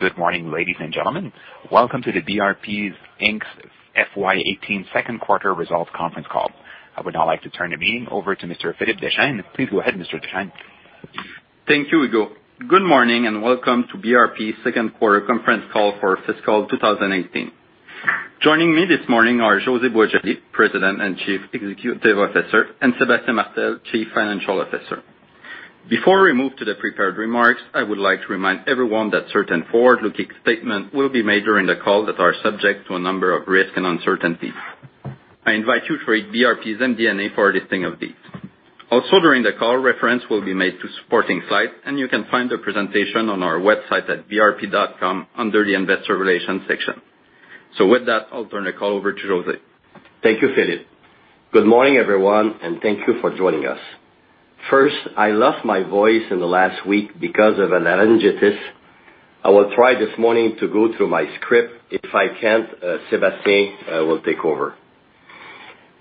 Good morning, ladies and gentlemen. Welcome to the BRP Inc.'s FY 2018 second quarter results conference call. I would now like to turn the meeting over to Mr. Philippe Deschênes. Please go ahead, Mr. Deschênes. Thank you, Hugo. Good morning, and welcome to BRP's second quarter conference call for fiscal 2018. Joining me this morning are José Boisjoli, President and Chief Executive Officer, and Sébastien Martel, Chief Financial Officer. Before we move to the prepared remarks, I would like to remind everyone that certain forward-looking statements will be made during the call that are subject to a number of risks and uncertainties. I invite you to read BRP's MD&A for a listing of these. Also, during the call, reference will be made to supporting slide, and you can find the presentation on our website at brp.com under the investor relations section. With that, I'll turn the call over to José. Thank you, Philippe. Good morning, everyone, and thank you for joining us. First, I lost my voice in the last week because of laryngitis. I will try this morning to go through my script. If I can't, Sébastien will take over.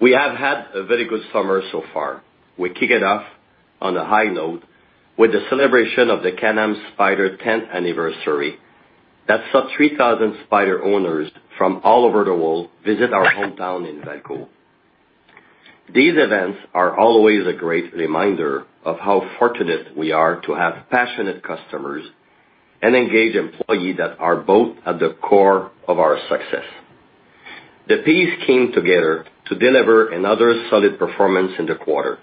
We have had a very good summer so far. We kick it off on a high note with the celebration of the Can-Am Spyder's 10th anniversary that saw 3,000 Spyder owners from all over the world visit our hometown in Valcourt. These events are always a great reminder of how fortunate we are to have passionate customers and engaged employees that are both at the core of our success. The piece came together to deliver another solid performance in the quarter.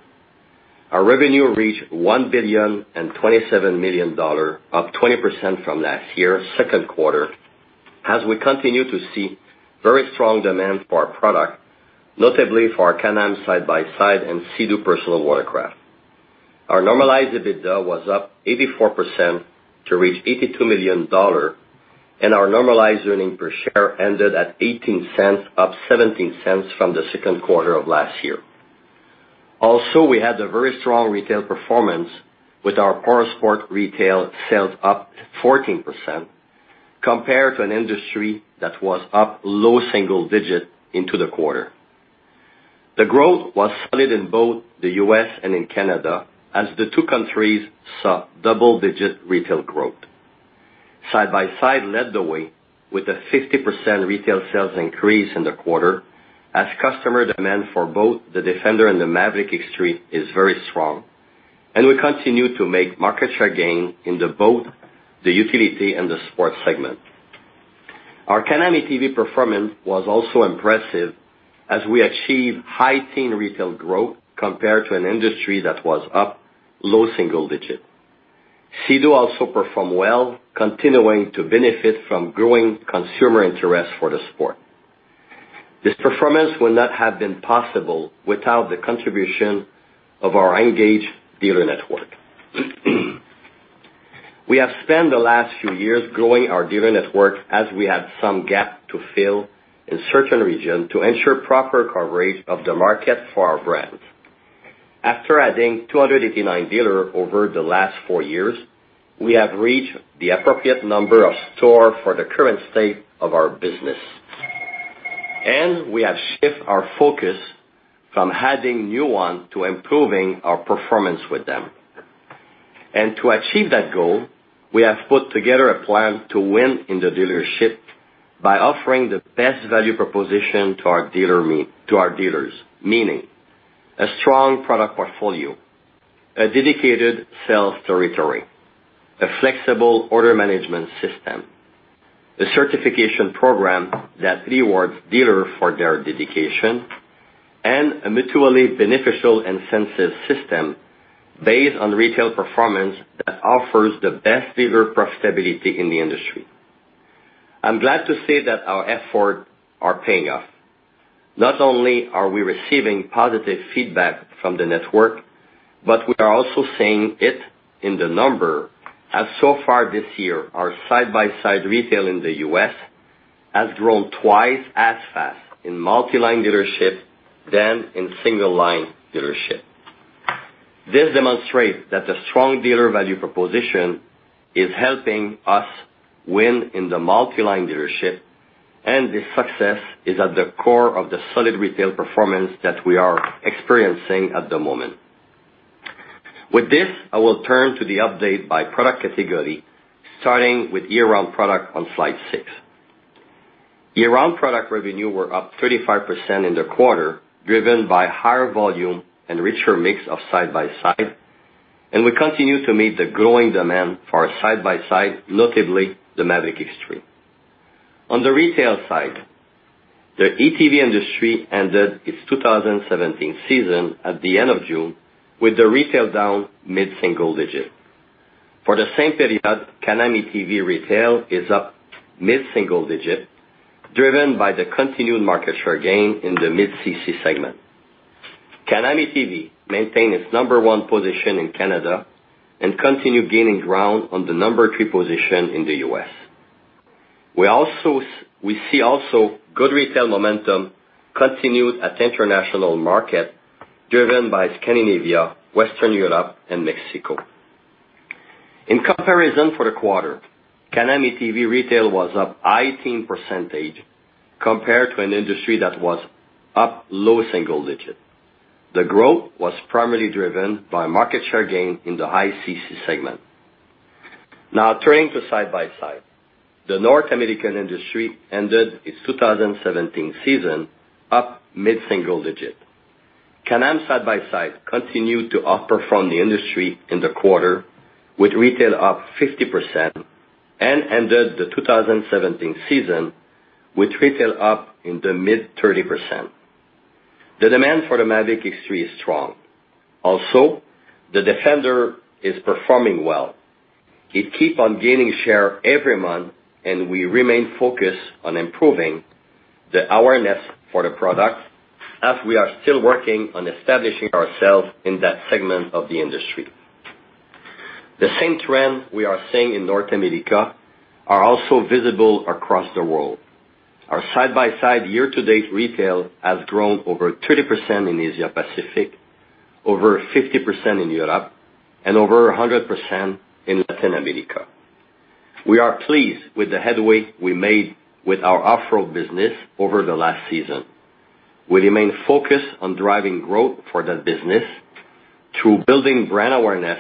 Our revenue reached 1,027,000,000 dollar, up 20% from last year's second quarter, as we continue to see very strong demand for our product, notably for our Can-Am side-by-side and Sea-Doo personal watercraft. Our normalized EBITDA was up 84% to reach 82 million dollars, and our normalized earning per share ended at 0.18, up 0.17 from the second quarter of last year. Also, we had a very strong retail performance with our powersport retail sales up 14% compared to an industry that was up low single digits into the quarter. The growth was solid in both the U.S. and in Canada as the two countries saw double-digit retail growth. Side-by-Side led the way with a 50% retail sales increase in the quarter as customer demand for both the Defender and the Maverick X3 is very strong. We continue to make market share gain in both the utility and the sports segment. Our Can-Am ATV performance was also impressive as we achieved high teen retail growth compared to an industry that was up low single digits. Sea-Doo also performed well, continuing to benefit from growing consumer interest for the sport. This performance would not have been possible without the contribution of our engaged dealer network. We have spent the last few years growing our dealer network as we had some gap to fill in certain regions to ensure proper coverage of the market for our brands. After adding 289 dealers over the last four years, we have reached the appropriate number of stores for the current state of our business. We have shifted our focus from adding new ones to improving our performance with them. To achieve that goal, we have put together a plan to win in the dealership by offering the best value proposition to our dealers, meaning a strong product portfolio, a dedicated sales territory, a flexible order management system, a certification program that rewards dealers for their dedication, and a mutually beneficial incentive system based on retail performance that offers the best dealer profitability in the industry. I'm glad to say that our efforts are paying off. Not only are we receiving positive feedback from the network, but we are also seeing it in the numbers, as so far this year, our Side-by-Side retail in the U.S. has grown twice as fast in multi-line dealerships than in single-line dealerships. This demonstrates that the strong dealer value proposition is helping us win in the multi-line dealership. This success is at the core of the solid retail performance that we are experiencing at the moment. With this, I will turn to the update by product category, starting with year-round product on slide six. Year-round product revenue was up 35% in the quarter, driven by higher volume and richer mix of Side-by-Side. We continue to meet the growing demand for our Side-by-Side, notably the Maverick X3. On the retail side, the ATV industry ended its 2017 season at the end of June with the retail down mid-single digits. For the same period, Can-Am ATV retail is up mid-single digits, driven by the continued market share gain in the mid-CC segment. Can-Am ATV maintained its number one position in Canada and continued gaining ground on the number three position in the U.S. We see also good retail momentum continued at international markets, driven by Scandinavia, Western Europe, and Mexico. In comparison for the quarter, Can-Am ATV retail was up high teen percentage compared to an industry that was up low single digits. The growth was primarily driven by market share gain in the mid-CC segment. Turning to Side-by-Side. The North American industry ended its 2017 season up mid-single digit. Can-Am Side-by-Side continued to outperform the industry in the quarter with retail up 50% and ended the 2017 season with retail up in the mid 30%. The demand for the Maverick X3 is strong. The Defender is performing well. It keep on gaining share every month, and we remain focused on improving the awareness for the product as we are still working on establishing ourselves in that segment of the industry. The same trend we are seeing in North America are also visible across the world. Our side-by-side year-to-date retail has grown over 30% in Asia Pacific, over 50% in Europe, and over 100% in Latin America. We are pleased with the headway we made with our off-road business over the last season. We remain focused on driving growth for that business through building brand awareness,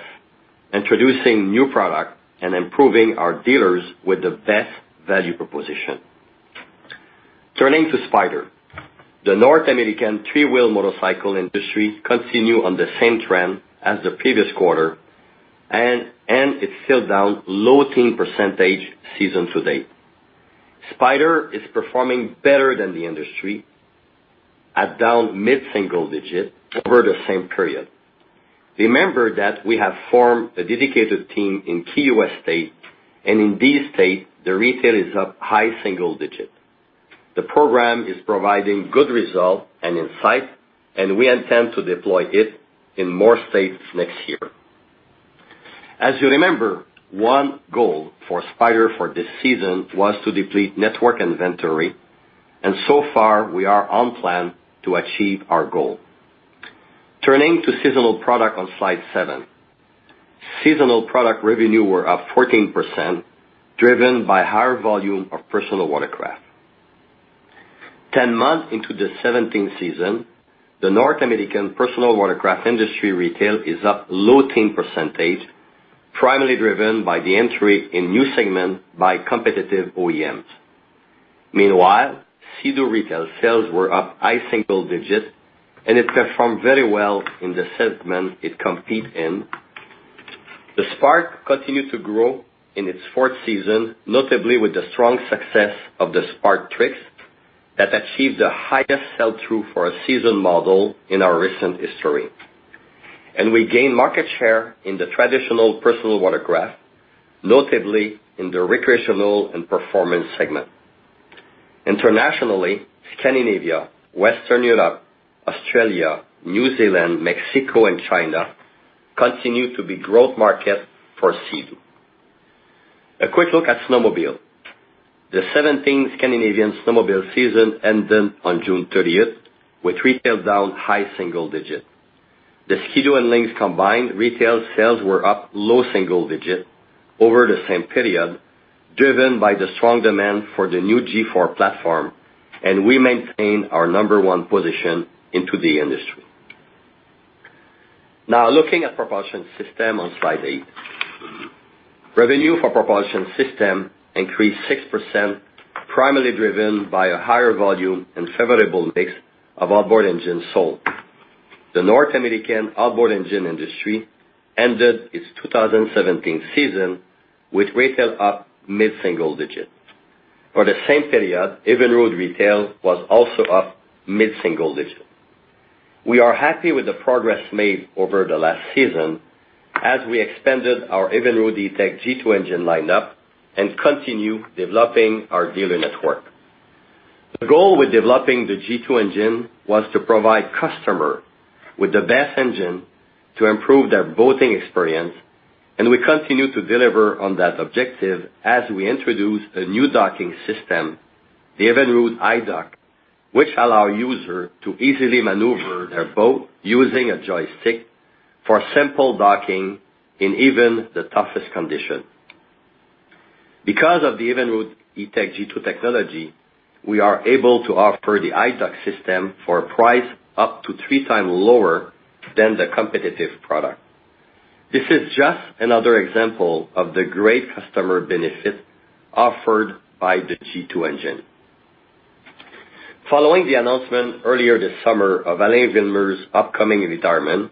introducing new product, and improving our dealers with the best value proposition. Turning to Spyder. The North American three-wheel motorcycle industry continue on the same trend as the previous quarter and it's still down low teen percentage season to date. Spyder is performing better than the industry at down mid-single digit over the same period. Remember that we have formed a dedicated team in key U.S. states and in these states, the retail is up high single digits. The program is providing good results and insight, and we intend to deploy it in more states next year. As you remember, one goal for Spyder for this season was to deplete network inventory, and so far, we are on plan to achieve our goal. Turning to seasonal product on slide seven. Seasonal product revenue were up 14%, driven by higher volume of personal watercraft. Ten months into the 2017 season, the North American personal watercraft industry retail is up low teen percentage, primarily driven by the entry in new segment by competitive OEMs. Sea-Doo retail sales were up high single digits, and it performed very well in the segment it compete in. The Spark continued to grow in its fourth season, notably with the strong success of the Spark Trixx that achieved the highest sell-through for a season model in our recent history. We gain market share in the traditional personal watercraft, notably in the recreational and performance segment. Internationally, Scandinavia, Western Europe, Australia, New Zealand, Mexico, and China continue to be growth markets for Sea-Doo. A quick look at snowmobile. The 2017 Scandinavian snowmobile season ended on June 30th, with retail down high single digits. The Ski-Doo and Lynx combined retail sales were up low single digits over the same period, driven by the strong demand for the new G4 platform, and we maintain our number one position into the industry. Looking at propulsion system on slide eight. Revenue for propulsion system increased 6%, primarily driven by a higher volume and favorable mix of outboard engines sold. The North American outboard engine industry ended its 2017 season with retail up mid-single digits. For the same period, Evinrude retail was also up mid-single digits. We are happy with the progress made over the last season as we expanded our Evinrude E-TEC G2 engine lineup and continue developing our dealer network. The goal with developing the G2 engine was to provide customer with the best engine to improve their boating experience, and we continue to deliver on that objective as we introduce a new docking system, the Evinrude iDock, which allow user to easily maneuver their boat using a joystick for simple docking in even the toughest condition. Because of the Evinrude E-TEC G2 technology, we are able to offer the iDock system for a price up to three times lower than the competitive product. This is just another example of the great customer benefit offered by the G2 engine. Following the announcement earlier this summer of Alain Villemure's upcoming retirement,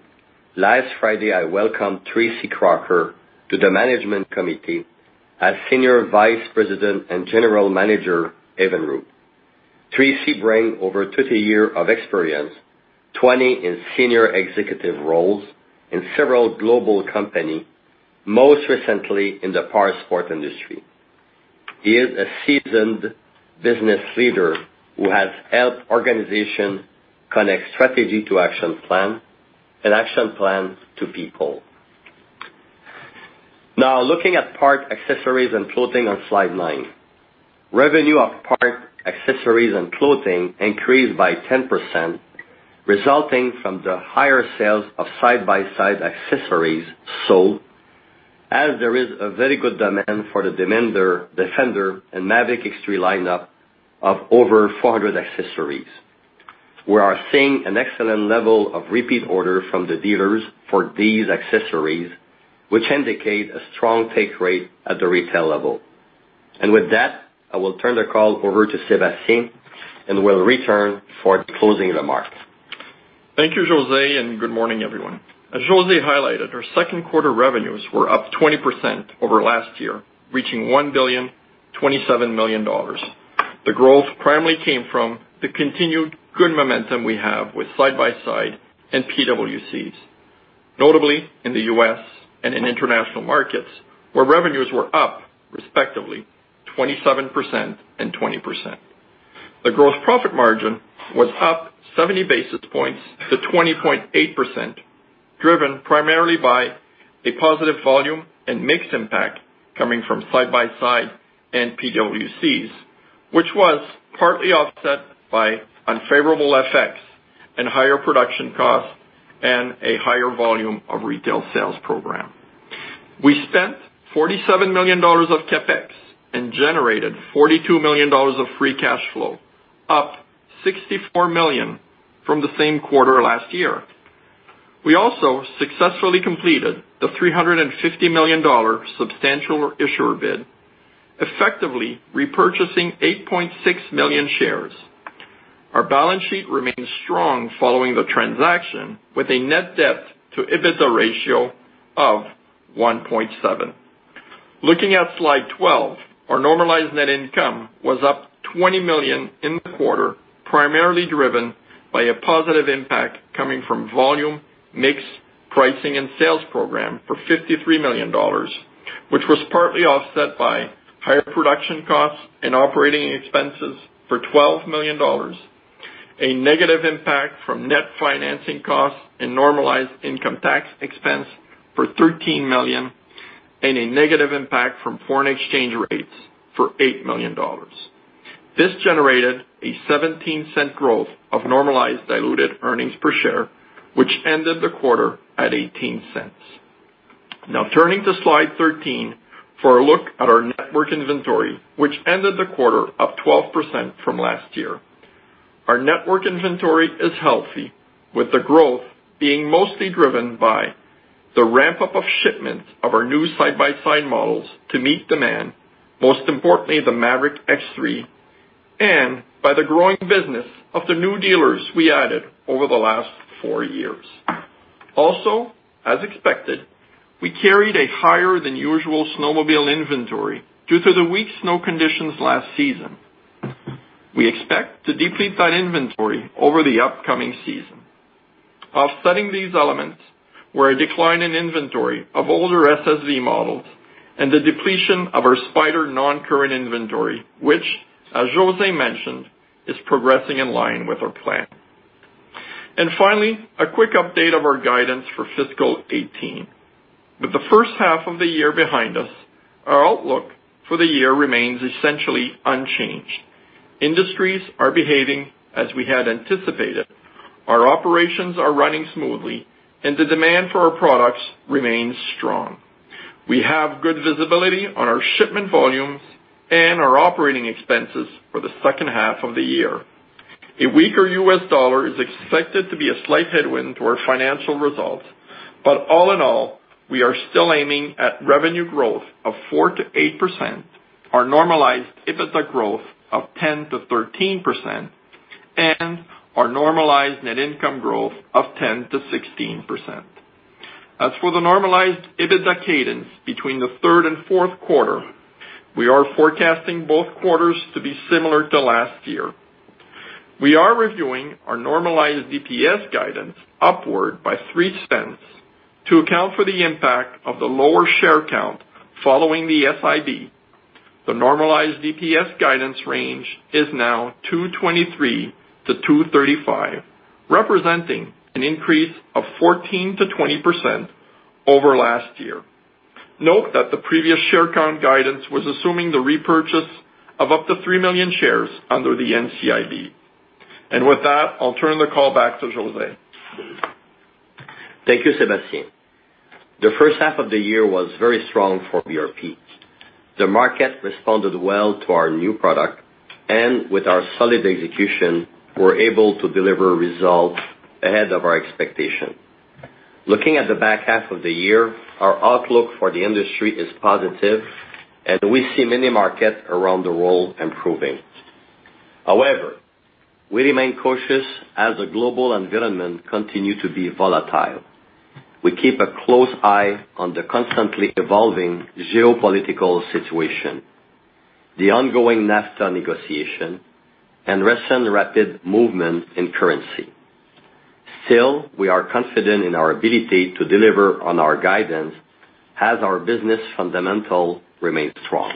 last Friday, I welcomed Tracy Crocker to the management committee as Senior Vice President and General Manager, Evinrude. Tracy bring over 30 year of experience, 20 in senior executive roles in several global company, most recently in the powersport industry. He is a seasoned business leader who has helped organization connect strategy to action plan and action plan to people. Now, looking at parts, accessories, and clothing on slide nine. Revenue of parts, accessories, and clothing increased by 10%, resulting from the higher sales of side-by-side accessories sold. As there is a very good demand for the Defender and Maverick X3 lineup of over 400 accessories. We are seeing an excellent level of repeat order from the dealers for these accessories, which indicate a strong take rate at the retail level. With that, I will turn the call over to Sébastien, and will return for closing remarks. Thank you, José, and good morning, everyone. As José highlighted, our second quarter revenues were up 20% over last year, reaching 1 billion 27 million. The growth primarily came from the continued good momentum we have with side-by-side and PWCs, notably in the U.S. and in international markets, where revenues were up respectively 27% and 20%. The gross profit margin was up 70 basis points to 20.8%, driven primarily by a positive volume and mix impact coming from side-by-side and PWC, which was partly offset by unfavorable FX and higher production costs and a higher volume of retail sales program. We spent 47 million dollars of CapEx and generated 42 million dollars of free cash flow, up 64 million from the same quarter last year. We also successfully completed the 350 million dollar substantial issuer bid, effectively repurchasing 8.6 million shares. Our balance sheet remains strong following the transaction with a net debt to EBITDA ratio of 1.7. Looking at slide 12, our normalized net income was up 20 million in the quarter, primarily driven by a positive impact coming from volume, mix, pricing and sales program for 53 million dollars, which was partly offset by higher production costs and operating expenses for 12 million dollars, a negative impact from net financing costs and normalized income tax expense for 13 million, and a negative impact from foreign exchange rates for 8 million dollars. This generated a 0.17 growth of normalized diluted earnings per share, which ended the quarter at 0.18. Now turning to slide thirteen for a look at our network inventory, which ended the quarter up 12% from last year. Our network inventory is healthy, with the growth being mostly driven by the ramp-up of shipments of our new side-by-side models to meet demand, most importantly, the Maverick X3, and by the growing business of the new dealers we added over the last four years. As expected, we carried a higher than usual snowmobile inventory due to the weak snow conditions last season. We expect to deplete that inventory over the upcoming season. Offsetting these elements were a decline in inventory of older SSV models and the depletion of our Spyder non-current inventory, which, as José mentioned, is progressing in line with our plan. Finally, a quick update of our guidance for fiscal 2018. With the first half of the year behind us, our outlook for the year remains essentially unchanged. Industries are behaving as we had anticipated. Our operations are running smoothly. The demand for our products remains strong. We have good visibility on our shipment volumes and our operating expenses for the second half of the year. A weaker US dollar is expected to be a slight headwind to our financial results. All in all, we are still aiming at revenue growth of 4%-8%, our normalized EBITDA growth of 10%-13%, and our normalized net income growth of 10%-16%. For the normalized EBITDA cadence between the third and fourth quarter, we are forecasting both quarters to be similar to last year. We are reviewing our normalized DPS guidance upward by 0.03 to account for the impact of the lower share count following the SIB. The normalized DPS guidance range is now 2.23-2.35, representing an increase of 14%-20% over last year. Note that the previous share count guidance was assuming the repurchase of up to 3 million shares under the NCIB. With that, I'll turn the call back to José. Thank you, Sébastien. The first half of the year was very strong for BRP. The market responded well to our new product. With our solid execution, we're able to deliver results ahead of our expectation. Looking at the back half of the year, our outlook for the industry is positive, and we see many markets around the world improving. However, we remain cautious as the global environment continues to be volatile. We keep a close eye on the constantly evolving geopolitical situation, the ongoing NAFTA negotiation, and recent rapid movement in currency. Still, we are confident in our ability to deliver on our guidance as our business fundamentals remains strong.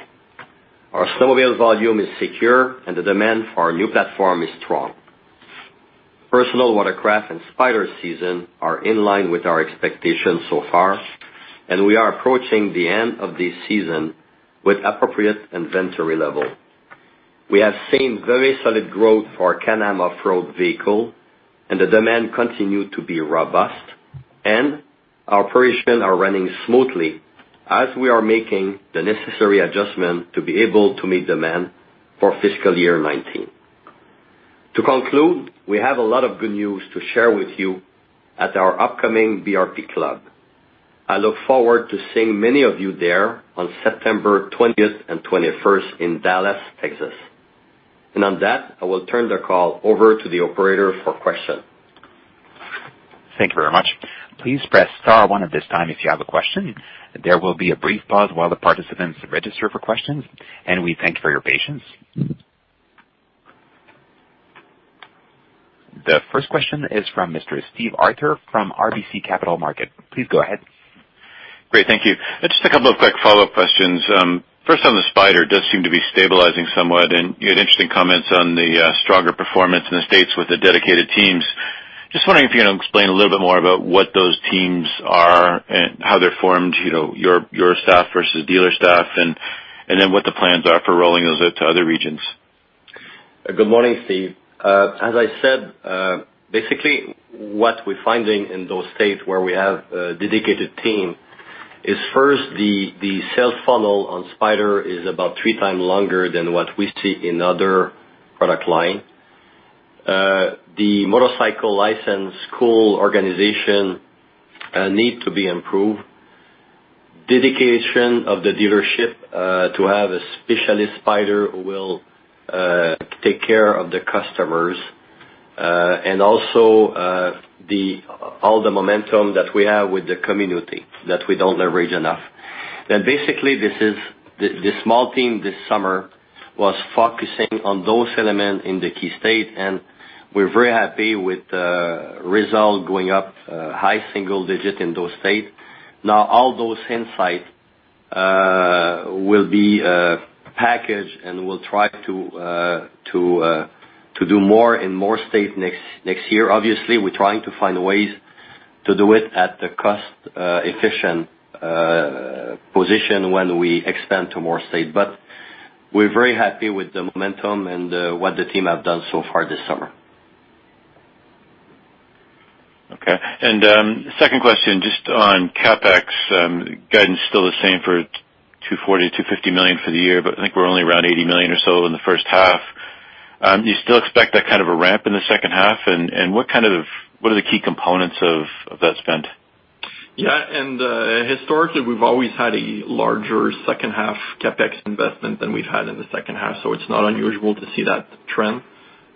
Our snowmobile volume is secure and the demand for our new platform is strong. Personal Watercraft and Spyder season are in line with our expectations so far, we are approaching the end of this season with appropriate inventory level. We have seen very solid growth for Can-Am Off-Road vehicle, the demand continued to be robust, and our operations are running smoothly as we are making the necessary adjustment to be able to meet demand for fiscal year 2019. We have a lot of good news to share with you at our upcoming BRP Club. I look forward to seeing many of you there on September 20th and 21st in Dallas, Texas. On that, I will turn the call over to the operator for questions. Thank you very much. Please press star one at this time if you have a question. There will be a brief pause while the participants register for questions, and we thank you for your patience. The first question is from Mr. Steve Arthur from RBC Capital Markets. Please go ahead. Great. Thank you. Just a couple of quick follow-up questions. First, on the Spyder, does seem to be stabilizing somewhat, and you had interesting comments on the stronger performance in the U.S. with the dedicated teams. Just wondering if you can explain a little bit more about what those teams are and how they're formed, your staff versus dealer staff and then what the plans are for rolling those out to other regions. Good morning, Steve. As I said, basically, what we're finding in those states where we have a dedicated team is first, the sales funnel on Spyder is about three times longer than what we see in other product line. The motorcycle license school organization needs to be improved. Dedication of the dealership to have a specialist Spyder who will take care of the customers. Also all the momentum that we have with the community that we don't leverage enough. Basically, the small team this summer was focusing on those elements in the key state, and we're very happy with the result going up high single digit in those states. All those insights will be packaged, and we'll try to do more in more states next year. Obviously, we're trying to find ways to do it at the cost-efficient position when we expand to more states. We're very happy with the momentum and what the team have done so far this summer. Okay. Second question, just on CapEx. Guidance still the same for 240 million, 250 million for the year, but I think we're only around 80 million or so in the first half. Do you still expect that kind of a ramp in the second half, and what are the key components of that spend? Yeah. Historically, we've always had a larger second half CapEx investment than we've had in the second half, so it's not unusual to see that trend.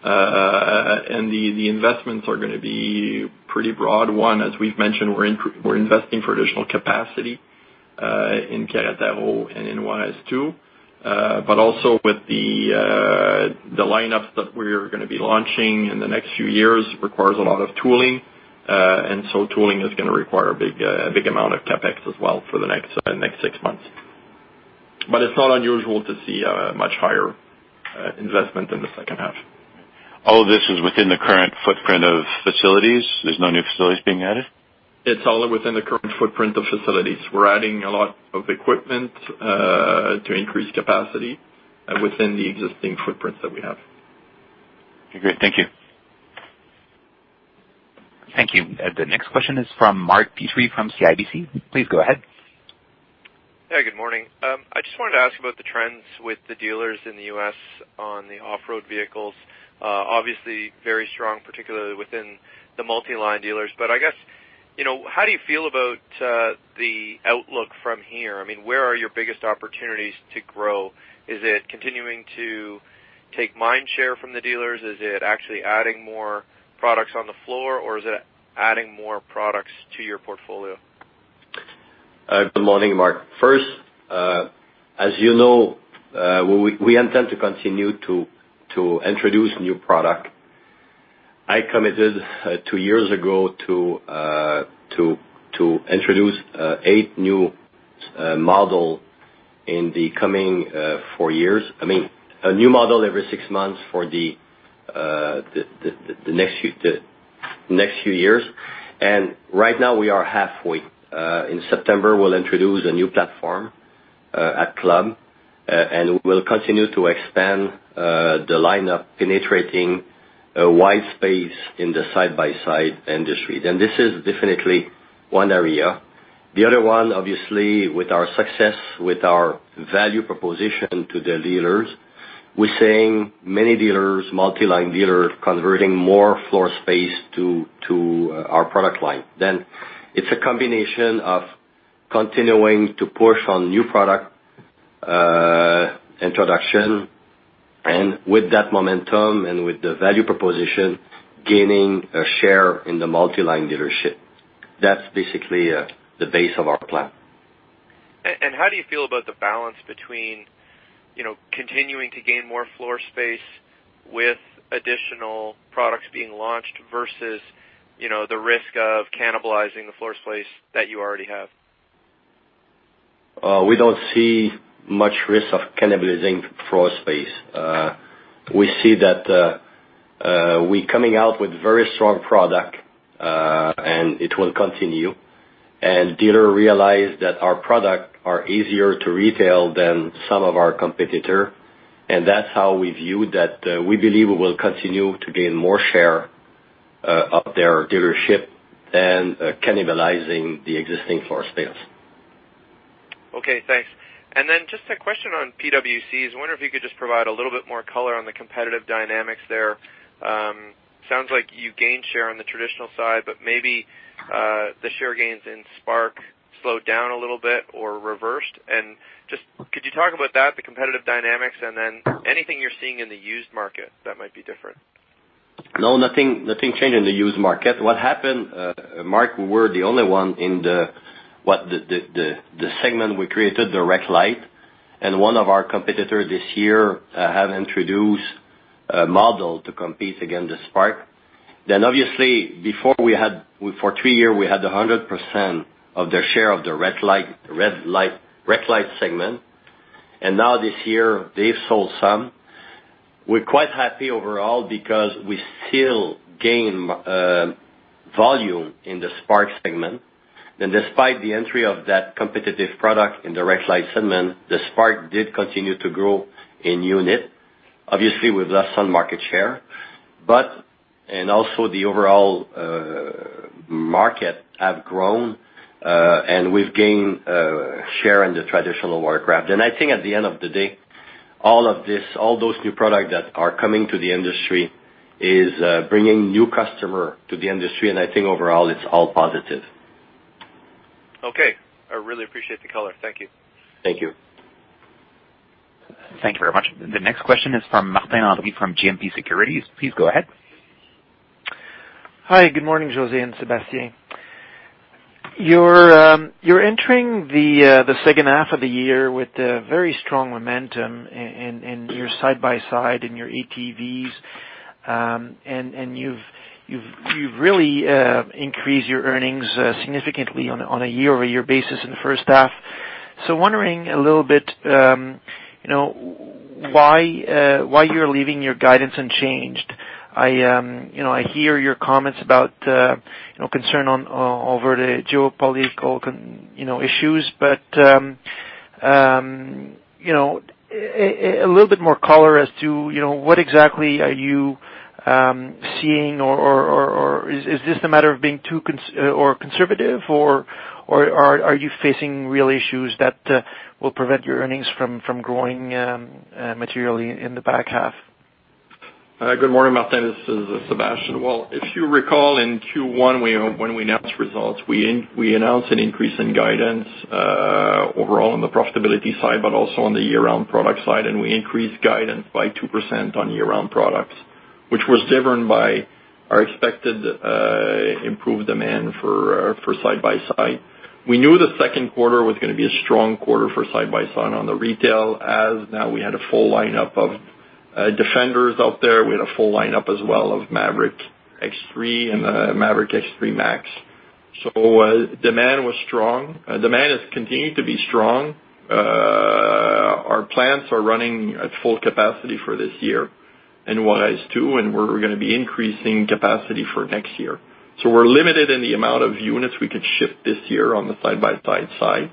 The investments are going to be pretty broad. One, as we've mentioned, we're investing for additional capacity in Querétaro and in Juarez 2. Also, with the lineups that we're gonna be launching in the next few years requires a lot of tooling. So tooling is gonna require a big amount of CapEx as well for the next six months. It's not unusual to see a much higher investment in the second half. All of this is within the current footprint of facilities? There's no new facilities being added? It's all within the current footprint of facilities. We're adding a lot of equipment to increase capacity within the existing footprints that we have. Okay, great. Thank you. Thank you. The next question is from Mark Petrie from CIBC. Please go ahead. Yeah, good morning. I just wanted to ask about the trends with the dealers in the U.S. on the off-road vehicles. Obviously very strong, particularly within the multi-line dealers. I guess, how do you feel about the outlook from here? Where are your biggest opportunities to grow? Is it continuing to take mind share from the dealers? Is it actually adding more products on the floor, or is it adding more products to your portfolio? Good morning, Mark. First, as you know, we intend to continue to introduce new product. I committed two years ago to introduce eight new model in the coming four years. A new model every six months for the next few years. Right now, we are halfway. In September, we'll introduce a new platform at Club. We'll continue to expand the lineup, penetrating a wide space in the side-by-side industry. This is definitely one area. The other one, obviously, with our success, with our value proposition to the dealers, we're seeing many dealers, multi-line dealer, converting more floor space to our product line. It's a combination of continuing to push on new product introduction, and with that momentum and with the value proposition, gaining a share in the multi-line dealership. That's basically the base of our plan. How do you feel about the balance between continuing to gain more floor space with additional products being launched versus the risk of cannibalizing the floor space that you already have? We don't see much risk of cannibalizing floor space. We see that we coming out with very strong product, and it will continue. Dealer realized that our product are easier to retail than some of our competitor, that's how we view that we believe we will continue to gain more share of their dealership and cannibalizing the existing floor space. Okay, thanks. Just a question on PWC. I was wondering if you could just provide a little bit more color on the competitive dynamics there. Sounds like you gained share on the traditional side, but maybe the share gains in Spark slowed down a little bit or reversed. Just, could you talk about that, the competitive dynamics, and then anything you're seeing in the used market that might be different? No, nothing changed in the used market. What happened, Mark, we were the only one in the segment we created, the Rec Lite. One of our competitor this year have introduced a model to compete against the Spark. Obviously, before for three year, we had 100% of their share of the Rec Lite segment. Now this year, they've sold some. We're quite happy overall because we still gain volume in the Spark segment. Despite the entry of that competitive product in the Rec Lite segment, the Spark did continue to grow in unit. Obviously, we've lost some market share, but also the overall market have grown, and we've gained share in the traditional watercraft. I think at the end of the day, all those new product that are coming to the industry is bringing new customer to the industry, and I think overall it's all positive. Okay. I really appreciate the color. Thank you. Thank you. Thank you very much. The next question is from Martin Landry from GMP Securities. Please go ahead. Hi, good morning, José and Sébastien. You're entering the second half of the year with a very strong momentum in your side-by-side, in your ATVs, you've really increased your earnings significantly on a year-over-year basis in the first half. Wondering a little bit why you're leaving your guidance unchanged. I hear your comments about concern over the geopolitical issues, a little bit more color as to what exactly are you seeing, or is this a matter of being too conservative, or are you facing real issues that will prevent your earnings from growing materially in the back half? Good morning, Martin. This is Sébastien. Well, if you recall, in Q1 when we announced results, we announced an increase in guidance overall on the profitability side, but also on the year-round product side, we increased guidance by 2% on year-round products, which was driven by our expected improved demand for side-by-side. We knew the second quarter was going to be a strong quarter for side-by-side on the retail, as now we had a full lineup of Defenders out there. We had a full lineup as well of Maverick X3 and the Maverick X3 MAX. Demand was strong. Demand has continued to be strong. Our plants are running at full capacity for this year, Juarez 2, we're going to be increasing capacity for next year. We're limited in the amount of units we could ship this year on the side-by-side side.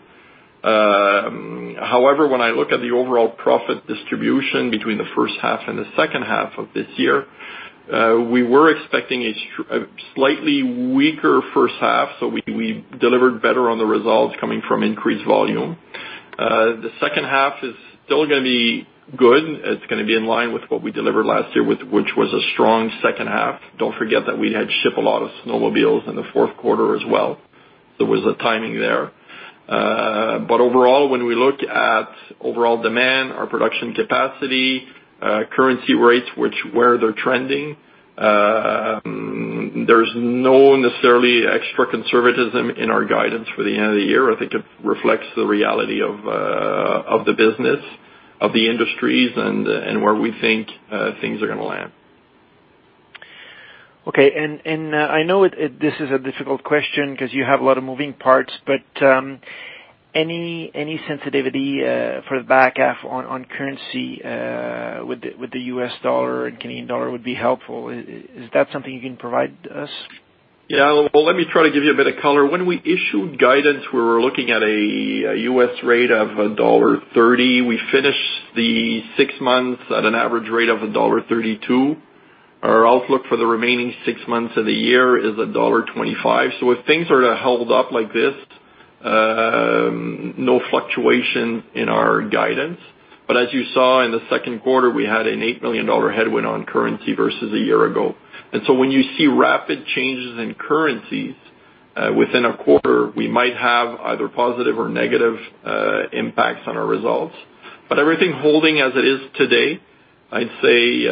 However, when I look at the overall profit distribution between the first half and the second half of this year, we were expecting a slightly weaker first half, we delivered better on the results coming from increased volume. The second half is still going to be good. It's going to be in line with what we delivered last year, which was a strong second half. Don't forget that we had shipped a lot of snowmobiles in the fourth quarter as well. There was a timing there. Overall, when we look at overall demand, our production capacity, currency rates, where they're trending, there's no necessarily extra conservatism in our guidance for the end of the year. I think it reflects the reality of the business, of the industries, and where we think things are going to land. I know this is a difficult question because you have a lot of moving parts, but any sensitivity for the back half on currency with the U.S. dollar and Canadian dollar would be helpful. Is that something you can provide us? Well, let me try to give you a bit of color. When we issued guidance, we were looking at a U.S. rate of dollar 1.30. We finished the six months at an average rate of dollar 1.32. Our outlook for the remaining six months of the year is dollar 1.25. If things are to hold up like this, no fluctuation in our guidance. As you saw in the second quarter, we had an 8 million dollar headwind on currency versus a year ago. When you see rapid changes in currencies within a quarter, we might have either positive or negative impacts on our results. Everything holding as it is today, I'd say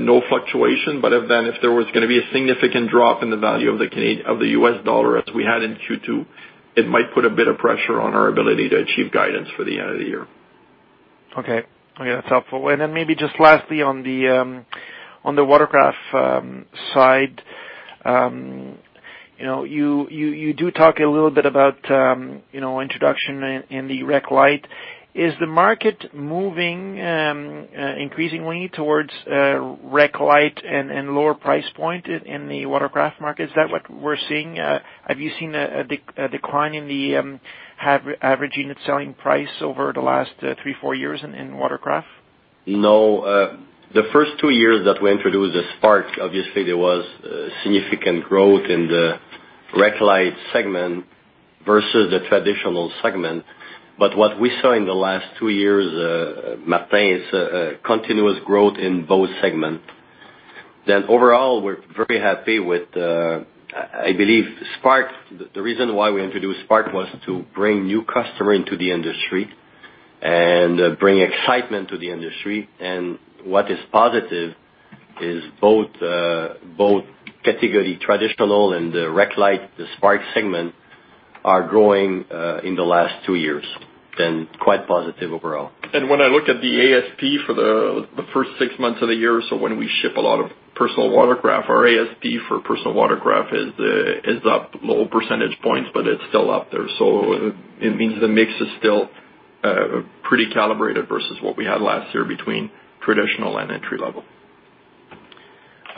no fluctuation, if there was going to be a significant drop in the value of the U.S. dollar as we had in Q2, it might put a bit of pressure on our ability to achieve guidance for the end of the year. Okay. That's helpful. Maybe just lastly on the watercraft side. You do talk a little bit about introduction in the Rec Lite. Is the market moving increasingly towards Rec Lite and lower price point in the watercraft market? Is that what we're seeing? Have you seen a decline in the average unit selling price over the last three, four years in watercraft? No. The first two years that we introduced the Spark, obviously, there was significant growth in the Rec Lite segment versus the traditional segment. What we saw in the last two years, Martin, is a continuous growth in both segments. Overall, we're very happy with the I believe the reason why we introduced Spark was to bring new customer into the industry and bring excitement to the industry. What is positive is both category traditional and Rec Lite, the Spark segment, are growing in the last two years, and quite positive overall. When I look at the ASP for the first six months of the year, when we ship a lot of personal watercraft, our ASP for personal watercraft is up low percentage points, but it's still up there. It means the mix is still pretty calibrated versus what we had last year between traditional and entry-level.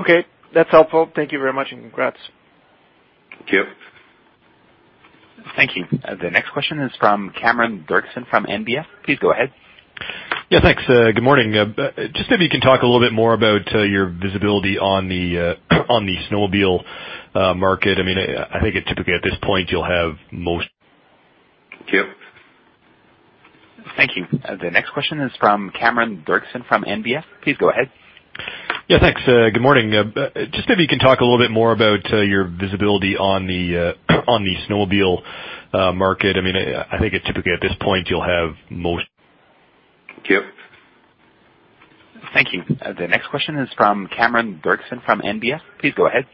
Okay. That's helpful. Thank you very much, and congrats. Thank you. Thank you. The next question is from Cameron Doerksen from NBF. Please go ahead. Yeah, thanks. Good morning. Just if you can talk a little bit more about your visibility on the snowmobile market. I think typically at this point, you'll have most- Thank you. Thank you. The next question is from Cameron Doerksen from NBF. Please go ahead.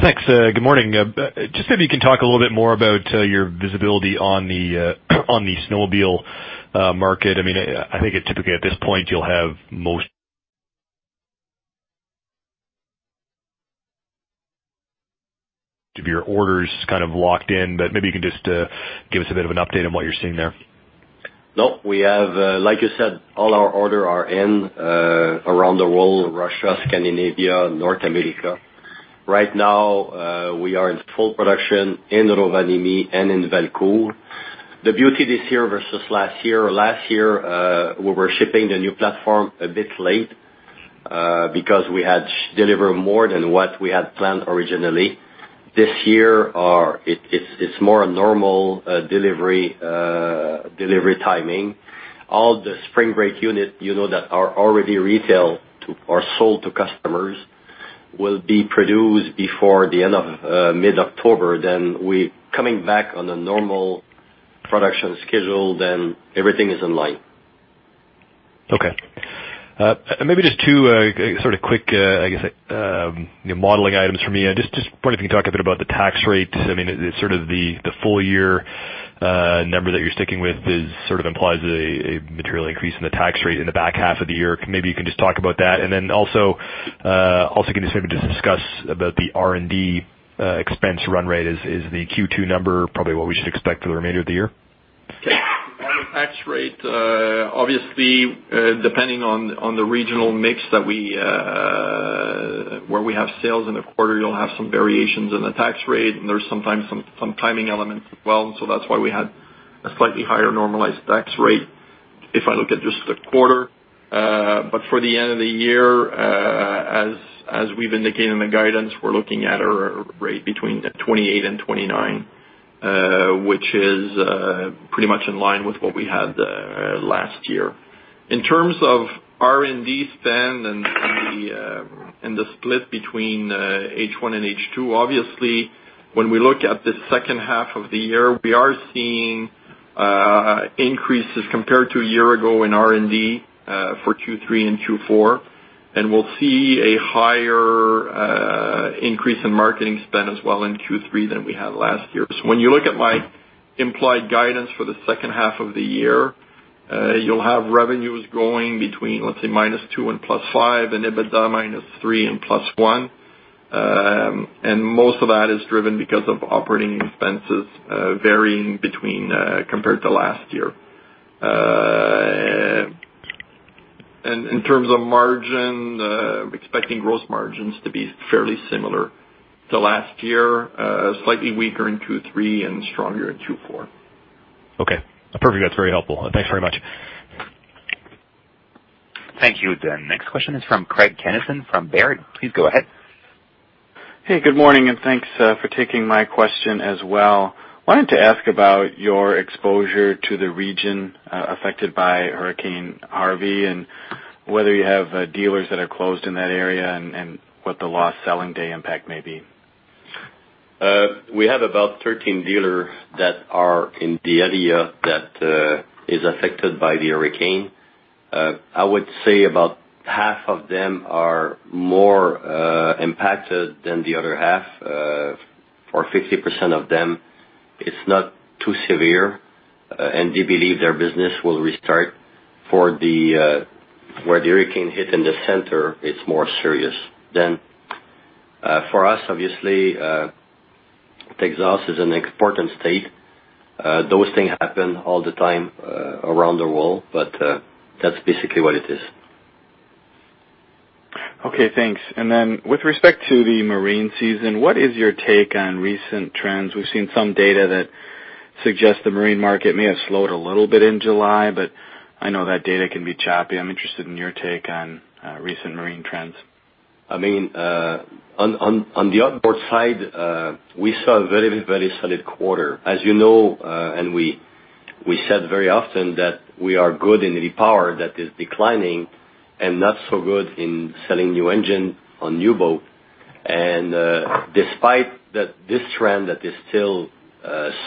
Thanks. Good morning. If you can talk a little bit more about your visibility on the snowmobile market. I think typically at this point, you'll have most of your orders kind of locked in, maybe you can just give us a bit of an update on what you're seeing there. No. Like you said, all our orders are in around the world, Russia, Scandinavia, North America. Right now, we are in full production in Rovaniemi and in Valcourt. The beauty this year versus last year, last year, we were shipping the new platform a bit late because we had delivered more than what we had planned originally. This year, it's more a normal delivery timing. All the spring break units that are already retailed or sold to customers will be produced before the end of mid-October. We coming back on a normal production schedule, everything is in line. Maybe two sort of quick, I guess, modeling items for me. Wondering if you can talk a bit about the tax rate. I mean, sort of the full-year number that you're sticking with sort of implies a material increase in the tax rate in the back half of the year. Maybe you can just talk about that. Can you maybe just discuss about the R&D expense run rate? Is the Q2 number probably what we should expect for the remainder of the year? On the tax rate, obviously, depending on the regional mix where we have sales in a quarter, you'll have some variations in the tax rate, and there's sometimes some timing elements as well. That's why we had a slightly higher normalized tax rate if I look at just the quarter. For the end of the year, as we've indicated in the guidance, we're looking at a rate between 28 and 29, which is pretty much in line with what we had last year. In terms of R&D spend and the split between H1 and H2, obviously, when we look at the second half of the year, we are seeing increases compared to a year ago in R&D for Q3 and Q4. We'll see a higher increase in marketing spend as well in Q3 than we had last year. When you look at my implied guidance for the second half of the year, you'll have revenues going between, let's say, minus 2% and plus 5%, and EBITDA minus 3% and plus 1%. Most of that is driven because of operating expenses varying compared to last year. In terms of margin, expecting gross margins to be fairly similar to last year, slightly weaker in Q3 and stronger in Q4. Okay. Perfect. That's very helpful. Thanks very much. Thank you. The next question is from Craig Kennison from Baird. Please go ahead. Hey, good morning, thanks for taking my question as well. Wanted to ask about your exposure to the region affected by Hurricane Harvey, whether you have dealers that are closed in that area and what the lost selling day impact may be. We have about 13 dealers that are in the area that is affected by the hurricane. I would say about half of them are more impacted than the other half. For 50% of them, it is not too severe, and they believe their business will restart. Where the hurricane hit in the center, it is more serious. For us, obviously, Texas is an important state. Those things happen all the time around the world, but that is basically what it is. Okay, thanks. With respect to the marine season, what is your take on recent trends? We have seen some data that suggests the marine market may have slowed a little bit in July, but I know that data can be choppy. I am interested in your take on recent marine trends. On the outboard side, we saw a very solid quarter. As you know, we said very often that we are good in repower that is declining and not so good in selling new engine on new boat. Despite that this trend that is still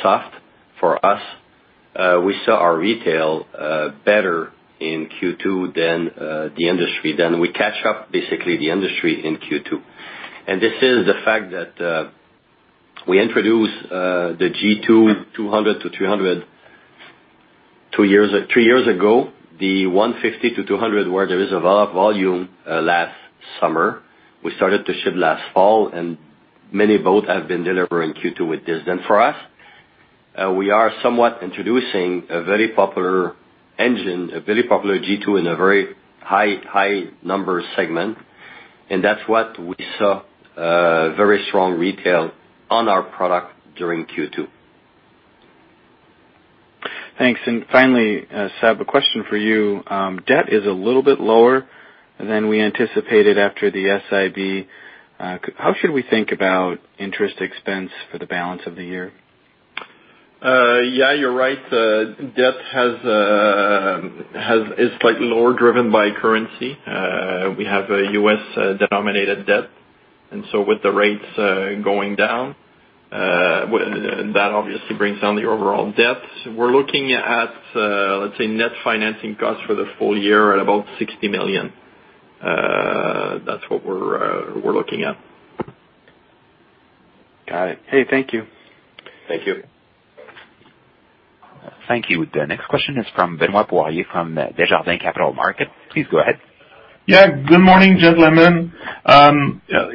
soft for us, we saw our retail better in Q2 than the industry. We catch up basically the industry in Q2. This is the fact that we introduced the G2 200-300 three years ago, the 150-200, where there is a lot of volume last summer. We started to ship last fall and many boats have been delivered in Q2 with this. For us, we are somewhat introducing a very popular engine, a very popular G2 in a very high number segment, and that is what we saw very strong retail on our product during Q2. Thanks. Finally, Seb, a question for you. Debt is a little bit lower than we anticipated after the SIB. How should we think about interest expense for the balance of the year? Yeah, you're right. Debt is slightly lower, driven by currency. We have a U.S.-denominated debt. With the rates going down, that obviously brings down the overall debt. We're looking at, let's say, net financing costs for the full year at about 60 million. That's what we're looking at. Got it. Hey, thank you. Thank you. Thank you. The next question is from Benoit Poirier from Desjardins Capital Markets. Please go ahead. Good morning, gentlemen.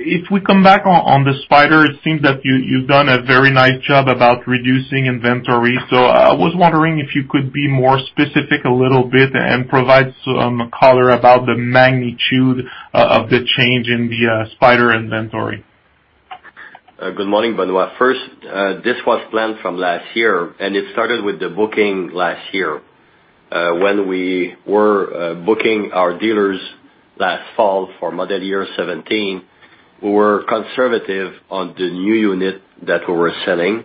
If we come back on the Spyder, it seems that you've done a very nice job about reducing inventory. I was wondering if you could be more specific a little bit and provide some color about the magnitude of the change in the Spyder inventory. Good morning, Benoit. First, this was planned from last year. It started with the booking last year. When we were booking our dealers last fall for model year 2017, we were conservative on the new unit that we were selling.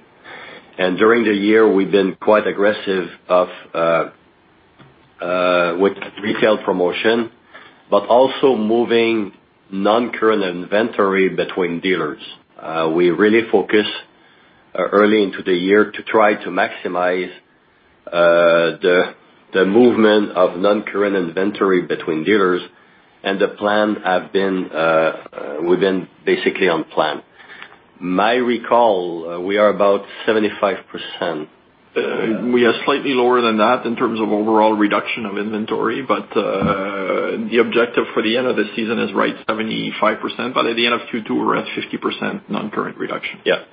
During the year, we've been quite aggressive with retail promotion, but also moving non-current inventory between dealers. We really focus early into the year to try to maximize the movement of non-current inventory between dealers. We've been basically on plan. My recall, we are about 75%. We are slightly lower than that in terms of overall reduction of inventory. The objective for the end of the season is right, 75%. At the end of Q2, we're at 50% non-current reduction. Yeah.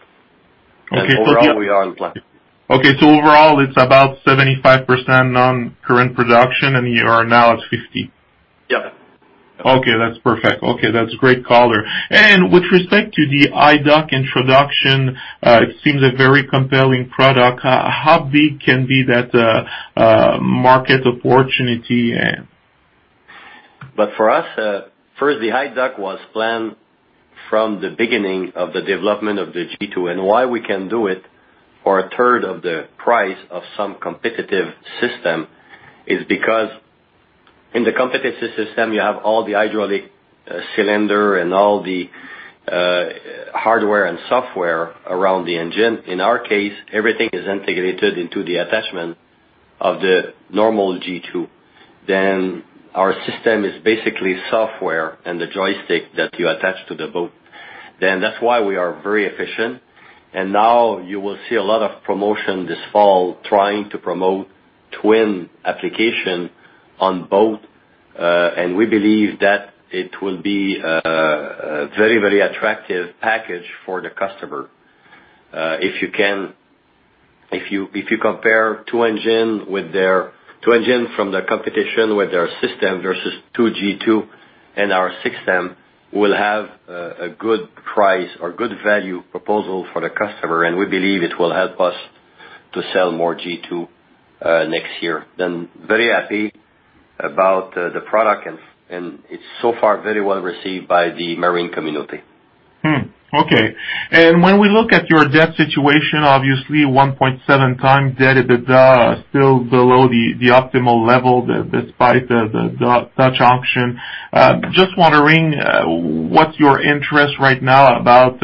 Okay. Overall, we are on plan. Okay. Overall, it's about 75% non-current reduction, and you are now at 50? Yeah. Okay, that's perfect. Okay, that's great color. With respect to the iDock introduction, it seems a very compelling product. How big can be that market opportunity? For us, first, the iDock was planned from the beginning of the development of the G2, and why we can do it for a third of the price of some competitive system is because in the competitive system, you have all the hydraulic cylinder and all the hardware and software around the engine. In our case, everything is integrated into the attachment of the normal G2. Our system is basically software and the joystick that you attach to the boat. That's why we are very efficient. Now you will see a lot of promotion this fall trying to promote twin application on both. We believe that it will be a very attractive package for the customer. If you compare two engine from the competition with their system versus two G2 and our system, we'll have a good price or good value proposal for the customer, and we believe it will help us to sell more G2 next year. Very happy about the product, and it's so far very well received by the marine community. When we look at your debt situation, obviously 1.7x debt is still below the optimal level despite the Dutch Auction. Just wondering what's your interest right now about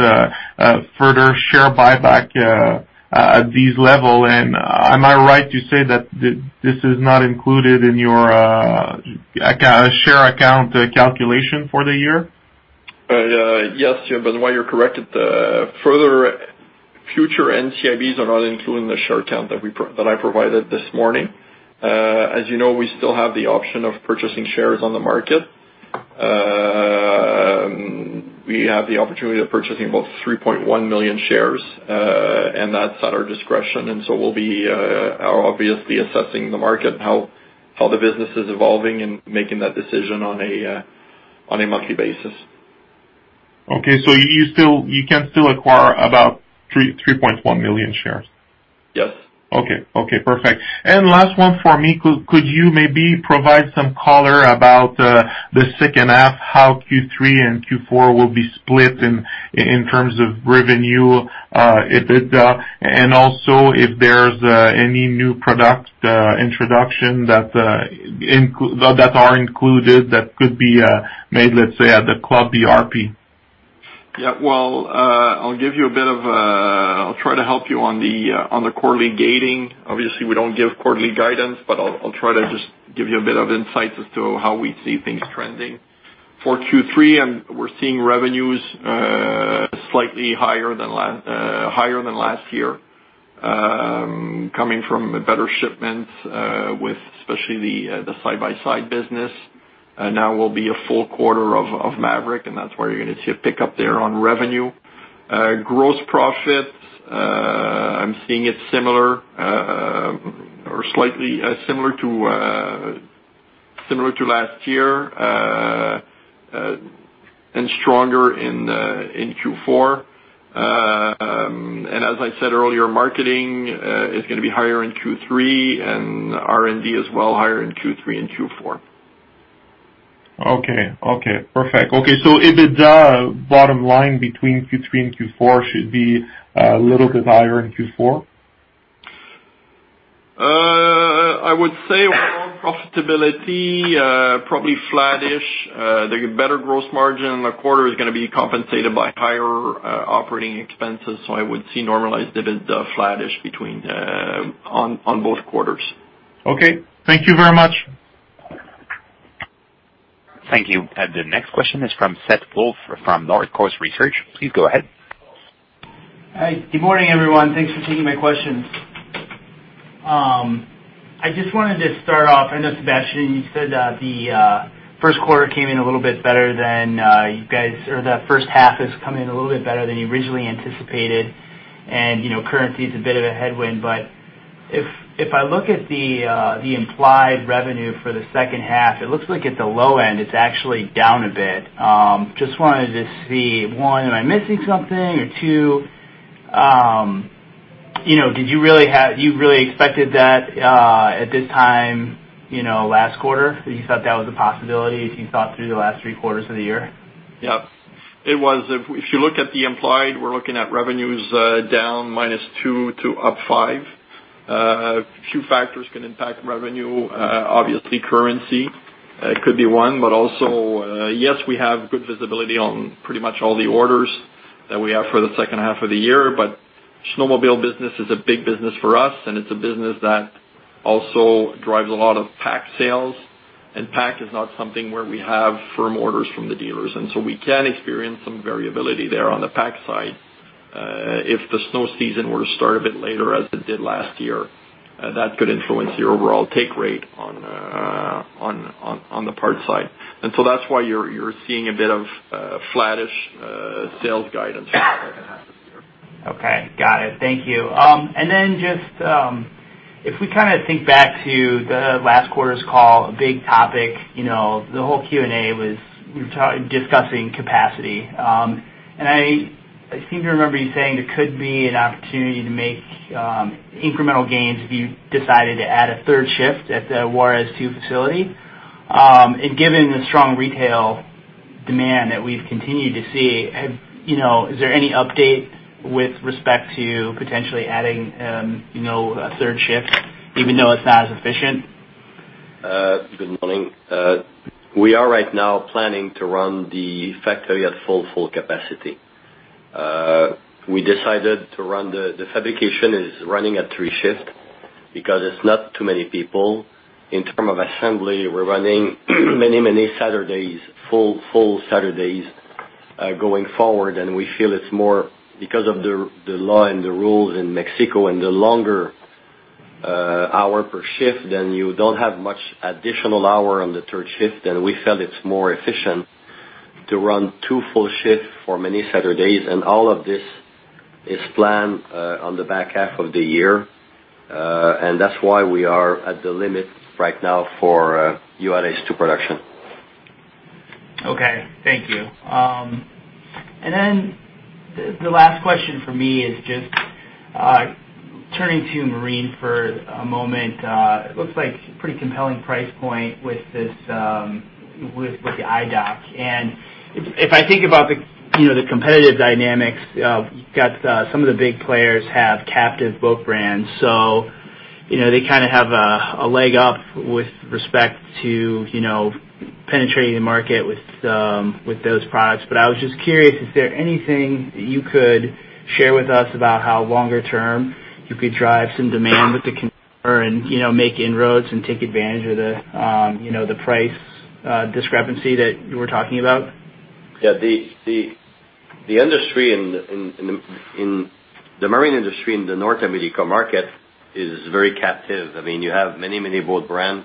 further share buyback at this level, and am I right to say that this is not included in your share account calculation for the year? Yes, Benoit, you're correct. Future NCIBs are not included in the share count that I provided this morning. As you know, we still have the option of purchasing shares on the market. We have the opportunity of purchasing about 3.1 million shares, and that's at our discretion. We'll be obviously assessing the market and how the business is evolving and making that decision on a monthly basis. You can still acquire about 3.1 million shares? Yes. Last one for me, could you maybe provide some color about the second half, how Q3 and Q4 will be split in terms of revenue, EBITDA, and also if there's any new product introduction that are included that could be made, let's say, at the BRP Club? Yeah. I'll try to help you on the quarterly gating. Obviously, we don't give quarterly guidance, but I'll try to just give you a bit of insight as to how we see things trending. For Q3, we're seeing revenues slightly higher than last year, coming from better shipments, with especially the side-by-side business. Now will be a full quarter of Maverick, and that's where you're going to see a pickup there on revenue. Gross profits, I'm seeing it similar to last year and stronger in Q4. As I said earlier, marketing is going to be higher in Q3 and R&D as well higher in Q3 and Q4. Okay. Perfect. EBITDA bottom line between Q3 and Q4 should be a little bit higher in Q4? I would say overall profitability, probably flattish. The better gross margin in the quarter is going to be compensated by higher operating expenses, so I would see normalized EBITDA flattish on both quarters. Okay. Thank you very much. Thank you. The next question is from Seth Woolf from Northcoast Research. Please go ahead. Hi. Good morning, everyone. Thanks for taking my questions. I just wanted to start off, I know, Sébastien, you said the first quarter came in a little bit better than you guys, or the first half has come in a little bit better than you originally anticipated. Currency is a bit of a headwind, but if I look at the implied revenue for the second half, it looks like at the low end, it's actually down a bit. Just wanted to see, one, am I missing something? Or two, did you really expected that at this time last quarter? Did you thought that was a possibility as you thought through the last three quarters of the year? Yeah. If you look at the implied, we're looking at revenues down -2% to up 5%. A few factors can impact revenue. Obviously currency could be one, but also, yes, we have good visibility on pretty much all the orders that we have for the second half of the year, but snowmobile business is a big business for us, and it's a business that also drives a lot of pack sales. Pack is not something where we have firm orders from the dealers, so we can experience some variability there on the pack side. If the snow season were to start a bit later as it did last year, that could influence the overall take rate on the parts side. So that's why you're seeing a bit of flattish sales guidance for the second half of the year. Okay. Got it. Thank you. Then just if we think back to the last quarter's call, a big topic, the whole Q&A was discussing capacity. I seem to remember you saying there could be an opportunity to make incremental gains if you decided to add a third shift at the Juarez 2 facility. Given the strong retail demand that we've continued to see, is there any update with respect to potentially adding a third shift, even though it's not as efficient? Good morning. We are right now planning to run the factory at full capacity. We decided the fabrication is running at three shifts because it's not too many people. In terms of assembly, we're running many Saturdays, full Saturdays, going forward. We feel it's more because of the law and the rules in Mexico and the longer hour per shift, then you don't have much additional hour on the third shift, and we felt it's more efficient to run two full shifts for many Saturdays. All of this is planned on the back half of the year. That's why we are at the limit right now for Juarez 2 production. Okay. Thank you. Then the last question for me is just turning to Marine for a moment. It looks like pretty compelling price point with the iDock. If I think about the competitive dynamics, you've got some of the big players have captive boat brands, so they have a leg up with respect to penetrating the market with those products. I was just curious, is there anything that you could share with us about how longer term you could drive some demand with the competitor and make inroads and take advantage of the price discrepancy that you were talking about? Yeah. The marine industry in the North America market is very captive. You have many boat brands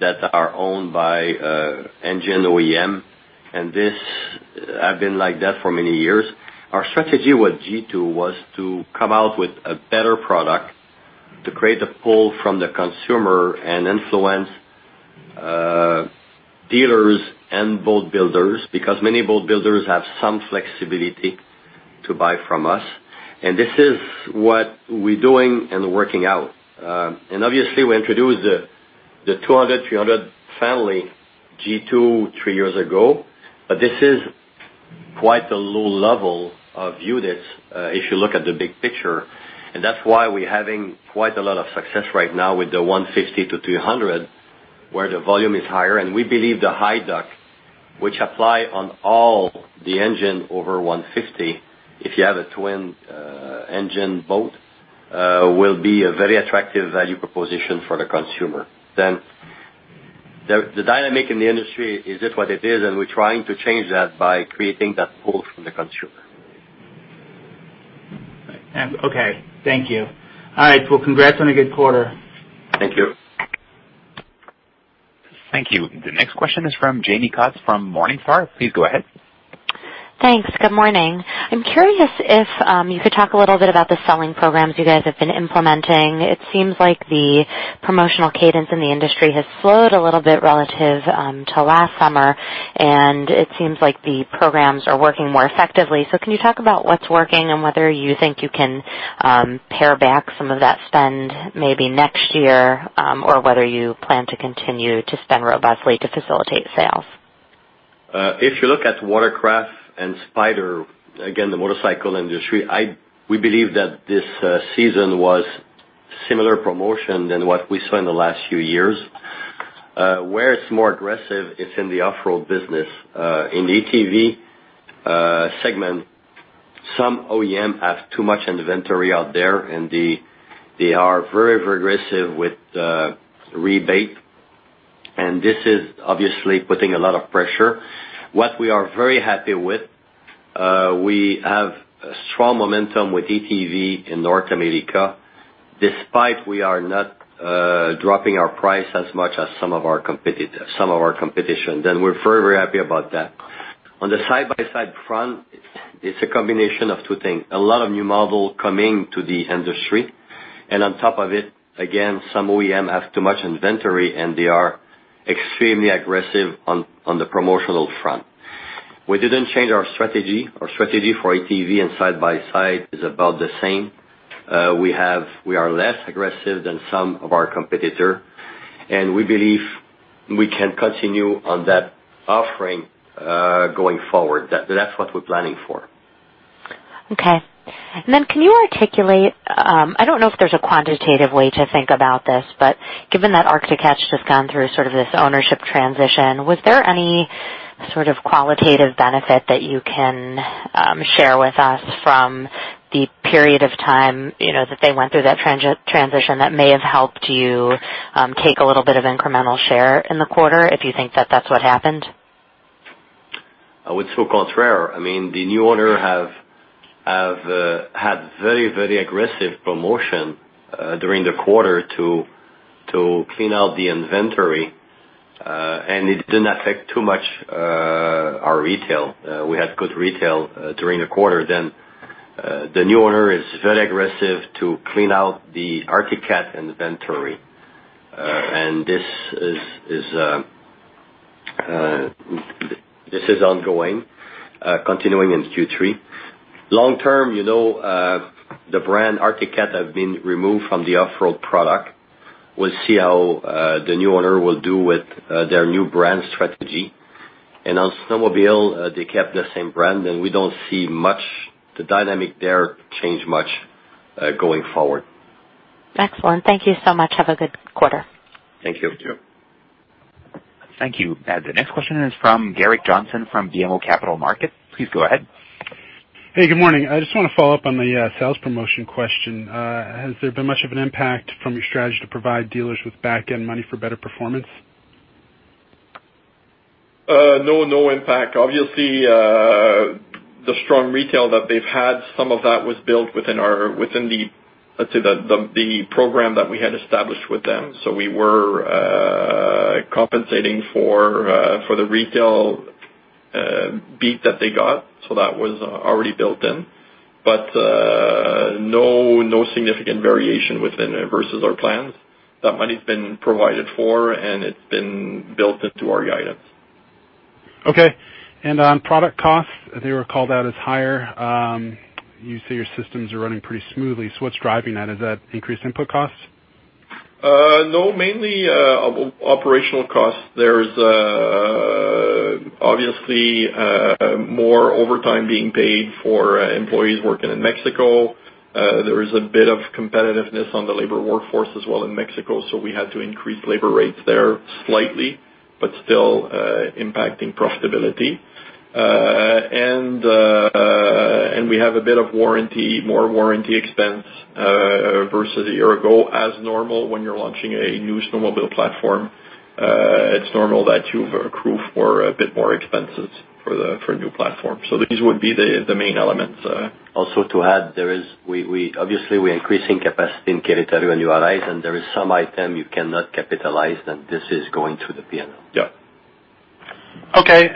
that are owned by engine OEM. This has been like that for many years. Our strategy with G2 was to come out with a better product to create a pull from the consumer and influence dealers and boat builders, because many boat builders have some flexibility to buy from us. This is what we're doing and working out. Obviously, we introduced the 200, 300 family G2 three years ago, but this is quite a low level of units, if you look at the big picture. That's why we're having quite a lot of success right now with the 150 to 300, where the volume is higher. We believe the high iDock, which apply on all the engine over 150, if you have a twin-engine boat, will be a very attractive value proposition for the consumer. The dynamic in the industry is just what it is, and we're trying to change that by creating that pull from the consumer. Okay. Thank you. All right. Well, congrats on a good quarter. Thank you. Thank you. The next question is from Jaime Katz from Morningstar. Please go ahead. Thanks. Good morning. I'm curious if you could talk a little bit about the selling programs you guys have been implementing. It seems like the promotional cadence in the industry has slowed a little bit relative to last summer, and it seems like the programs are working more effectively. Can you talk about what's working and whether you think you can pare back some of that spend maybe next year? Whether you plan to continue to spend robustly to facilitate sales? If you look at Sea-Doo and Spyder, again, the motorcycle industry, we believe that this season was similar promotion than what we saw in the last few years. Where it's more aggressive, it's in the off-road business. In the ATV segment, some OEM have too much inventory out there, and they are very aggressive with rebates, and this is obviously putting a lot of pressure. What we are very happy with, we have a strong momentum with ATV in North America, despite we are not dropping our price as much as some of our competition. We're very happy about that. On the side-by-side front, it's a combination of two things. A lot of new models coming to the industry and on top of it, again, some OEM have too much inventory, and they are extremely aggressive on the promotional front. We didn't change our strategy. Our strategy for ATV and side-by-side is about the same. We are less aggressive than some of our competitors, and we believe we can continue on that offering, going forward. That's what we're planning for. Okay. Can you articulate, I don't know if there's a quantitative way to think about this, but given that Arctic Cat has just gone through sort of this ownership transition, was there any sort of qualitative benefit that you can share with us from the period of time that they went through that transition that may have helped you take a little bit of incremental share in the quarter, if you think that that's what happened? I would say contrary. The new owner has had very aggressive promotion during the quarter to clean out the inventory. It didn't affect too much our retail. We had good retail during the quarter. The new owner is very aggressive to clean out the Arctic Cat inventory. This is ongoing, continuing in Q3. Long term, the brand Arctic Cat has been removed from the off-road product. We'll see how the new owner will do with their new brand strategy. On snowmobile, they kept the same brand, and we don't see much the dynamic there change much, going forward. Excellent. Thank you so much. Have a good quarter. Thank you. Thank you. The next question is from Garrett Johnson from BMO Capital Markets. Please go ahead. Hey, good morning. I just want to follow up on the sales promotion question. Has there been much of an impact from your strategy to provide dealers with back-end money for better performance? No impact. Obviously, the strong retail that they've had, some of that was built within the program that we had established with them. We were compensating for the retail beat that they got. That was already built in. No significant variation within versus our plans. That money's been provided for, and it's been built into our items. Okay. On product costs, they were called out as higher. You say your systems are running pretty smoothly, what's driving that? Is that increased input costs? No, mainly operational costs. There's obviously more overtime being paid for employees working in Mexico. There is a bit of competitiveness on the labor workforce as well in Mexico, we had to increase labor rates there slightly, still impacting profitability. We have a bit of more warranty expense versus a year ago. As normal, when you're launching a new snowmobile platform, it's normal that you've accrued for a bit more expenses for a new platform. These would be the main elements. Also to add, obviously we're increasing capacity in Querétaro and New Orleans, and there is some item you cannot capitalize, and this is going to the P&L. Yeah. Okay.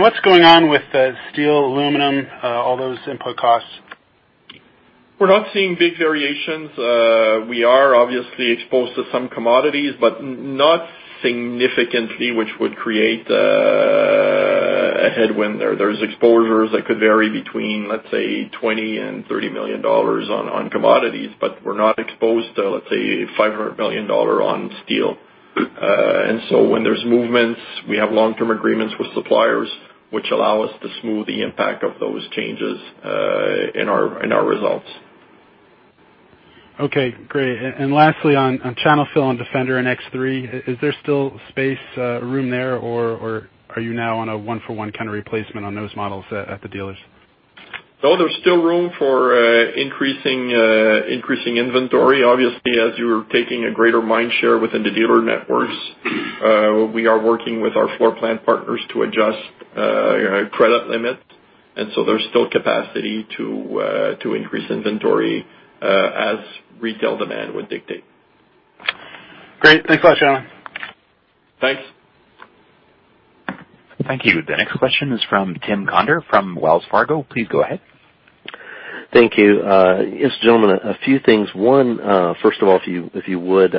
What's going on with the steel, aluminum, all those input costs? We're not seeing big variations. We are obviously exposed to some commodities, but not significantly, which would create a headwind there. There's exposures that could vary between, let's say, 20 million and 30 million dollars on commodities, but we're not exposed to, let's say, 500 million dollars on steel. When there's movements, we have long-term agreements with suppliers, which allow us to smooth the impact of those changes in our results. Okay, great. Lastly, on channel fill on Defender and X3, is there still space, room there, or are you now on a one-for-one kind of replacement on those models at the dealers? No, there's still room for increasing inventory. Obviously, as you're taking a greater mind share within the dealer networks, we are working with our floor plan partners to adjust credit limits. There's still capacity to increase inventory as retail demand would dictate. Great. Thanks a lot, Sébastien. Thanks. Thank you. The next question is from Tim Conder from Wells Fargo. Please go ahead. Thank you. Yes, gentlemen, a few things. One, first of all, if you would,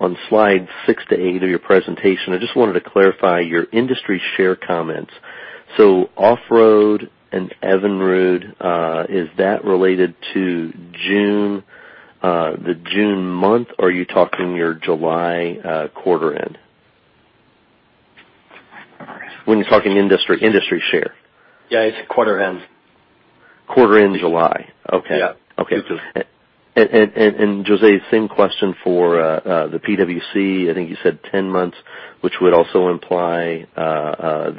on slide six to eight of your presentation, I just wanted to clarify your industry share comments. Off-road and Evinrude, is that related to the June month, or are you talking your July quarter end? When you're talking industry share. Yeah, it's quarter end. Quarter end July. Yeah. Okay. José, same question for the PWC. I think you said 10 months, which would also imply for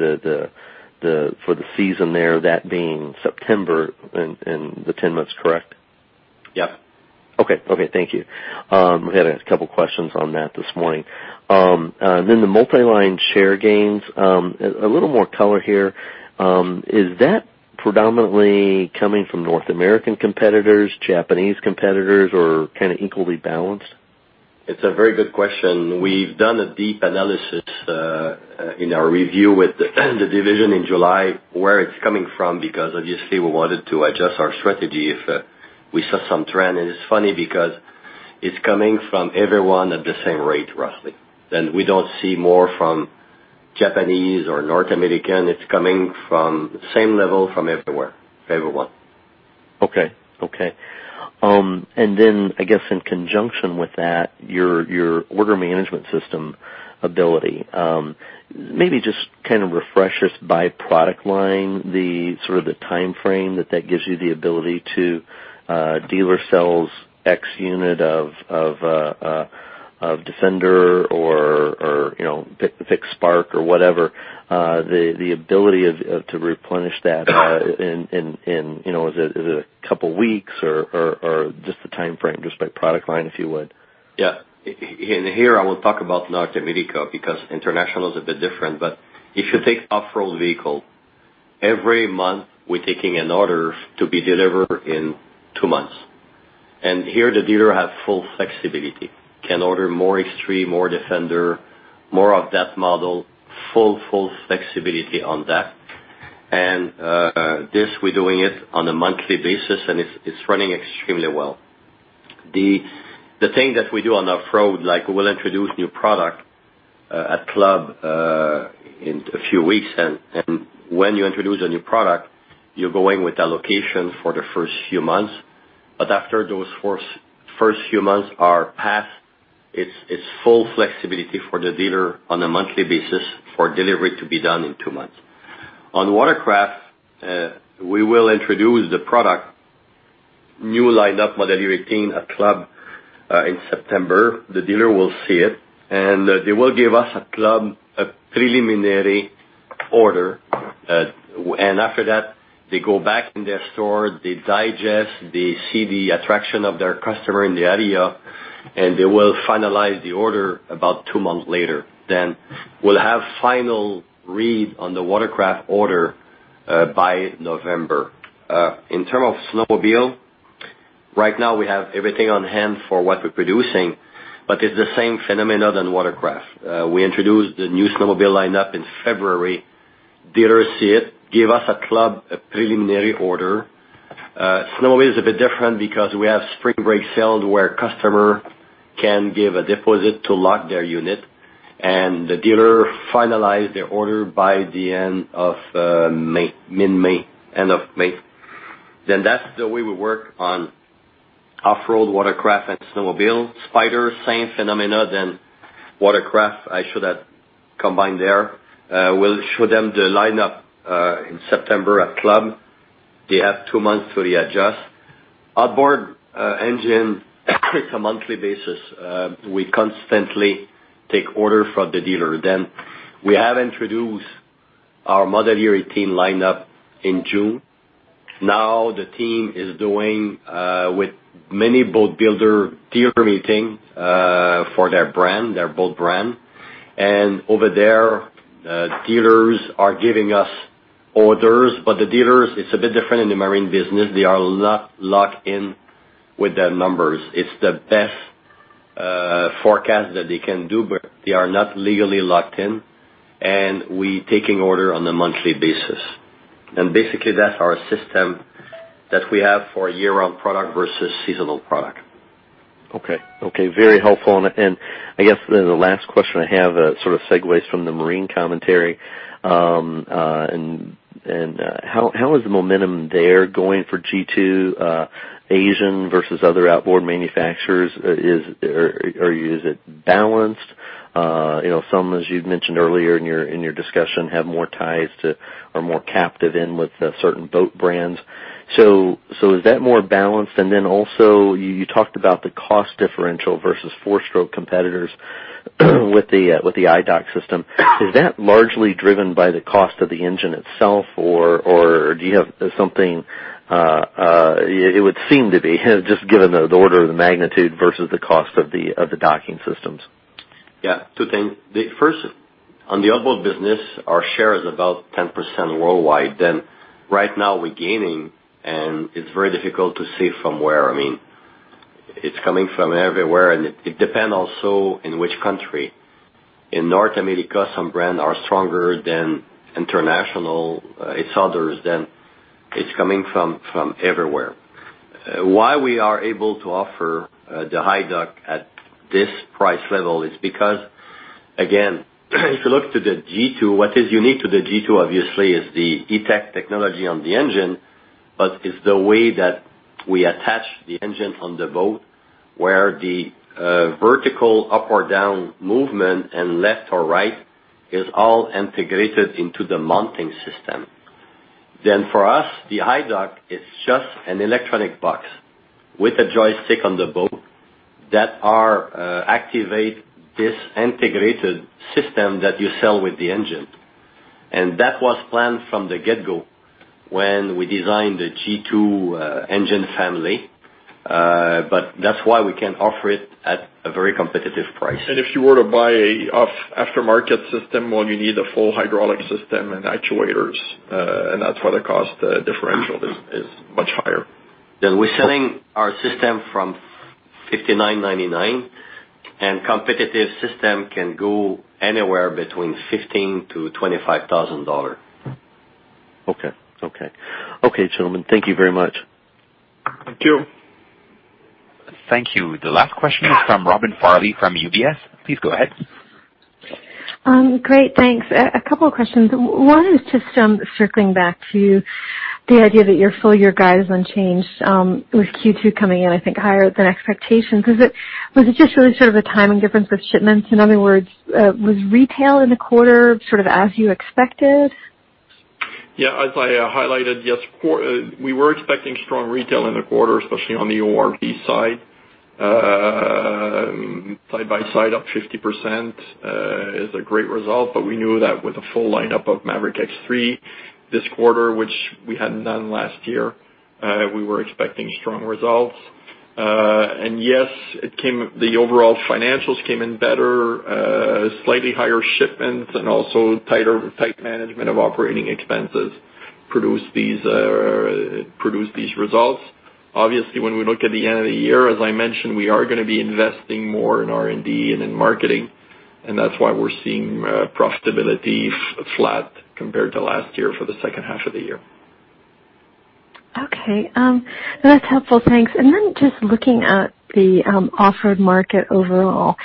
the season there, that being September and the 10 months, correct? Yeah. Okay. Thank you. We had a couple questions on that this morning. The multi-line share gains. A little more color here. Is that predominantly coming from North American competitors, Japanese competitors, or kind of equally balanced? It's a very good question. We've done a deep analysis in our review with the division in July, where it's coming from, because obviously we wanted to adjust our strategy if we saw some trend. It's funny because it's coming from everyone at the same rate, roughly, and we don't see more from Japanese or North American. It's coming from same level from everywhere, everyone. Okay. Then, I guess in conjunction with that, your order management system ability. Maybe just kind of refresh us by product line, the sort of the timeframe that gives you the ability to dealer sells X unit of Defender or pick Spark or whatever, the ability to replenish that in, is it a couple of weeks or just the timeframe, just by product line, if you would? Yeah. Here I will talk about North America, because international is a bit different, but if you take off-road vehicle, every month, we're taking an order to be delivered in two months. Here, the dealer have full flexibility, can order more X3, more Defender, more of that model. Full flexibility on that. This, we're doing it on a monthly basis, and it's running extremely well. The thing that we do on off-road, like we'll introduce new product at Club in a few weeks, and when you introduce a new product, you're going with allocation for the first few months. After those first few months are passed, it's full flexibility for the dealer on a monthly basis for delivery to be done in two months. On watercraft, we will introduce the product, new lineup model 18, at Club in September. The dealer will see it, and they will give us at Club a preliminary order. After that, they go back in their store, they digest, they see the attraction of their customer in the area, and they will finalize the order about two months later. We'll have final read on the watercraft order by November. In terms of snowmobile, right now we have everything on hand for what we're producing, but it's the same phenomenon than watercraft. We introduced the new snowmobile lineup in February. Dealers see it, give us at Club a preliminary order. Snowmobile is a bit different because we have spring break sales where customer can give a deposit to lock their unit, and the dealer finalize their order by the end of mid-May. That's the way we work on off-road, watercraft, and snowmobile. Spyder, same phenomena than watercraft. I should have combined there. We'll show them the lineup in September at club. They have two months to readjust. Outboard engine, it's a monthly basis. We constantly take order from the dealer. We have introduced our model year 2018 lineup in June. Now the team is doing, with many boat builder, dealer meeting for their boat brand. Over there, dealers are giving us orders. But the dealers, it's a bit different in the marine business. They are not locked in with their numbers. It's the best forecast that they can do, but they are not legally locked in, and we taking order on a monthly basis. Basically that's our system that we have for year-round product versus seasonal product. Okay. Very helpful. I guess then the last question I have sort of segues from the marine commentary. How is the momentum there going for G2 versus other outboard manufacturers? Is it balanced? Some, as you'd mentioned earlier in your discussion, have more ties to or more captive in with certain boat brands. So is that more balanced? Also, you talked about the cost differential versus four-stroke competitors with the iDock system. Is that largely driven by the cost of the engine itself, or do you have something It would seem to be, just given the order of the magnitude versus the cost of the docking systems. Two things. First, on the outboard business, our share is about 10% worldwide. Right now we're gaining, and it's very difficult to say from where. It's coming from everywhere, and it depends also in which country. In North America, some brand are stronger than international. It's others. It's coming from everywhere. Why we are able to offer the iDock at this price level is because, again, if you look to the G2, what is unique to the G2 obviously is the E-TEC technology on the engine, but it's the way that we attach the engine on the boat, where the vertical up or down movement and left or right is all integrated into the mounting system. For us, the iDock is just an electronic box with a joystick on the boat that activate this integrated system that you sell with the engine. That was planned from the get-go when we designed the G2 engine family. That's why we can offer it at a very competitive price. If you were to buy a off aftermarket system, well, you need a full hydraulic system and actuators, and that's why the cost differential is much higher. We're selling our system from 5,999, and competitive system can go anywhere between 15,000-25,000 dollar. Okay. Gentlemen, thank you very much. Thank you. Thank you. The last question is from Robin Farley from UBS. Please go ahead. Great, thanks. A couple of questions. One is just circling back to the idea that your full-year guide is unchanged with Q2 coming in, I think, higher than expectations. Was it just really sort of a timing difference with shipments? In other words, was retail in the quarter sort of as you expected? Yeah, as I highlighted, we were expecting strong retail in the quarter, especially on the ORV side. Side-by-side, up 50% is a great result. We knew that with a full lineup of Maverick X3 this quarter, which we hadn't done last year, we were expecting strong results. Yes, the overall financials came in better, slightly higher shipments and also tight management of operating expenses produced these results. When we look at the end of the year, as I mentioned, we are going to be investing more in R&D and in marketing, and that's why we're seeing profitability flat compared to last year for the second half of the year. Okay. That's helpful. Thanks. Then just looking at the off-road market overall,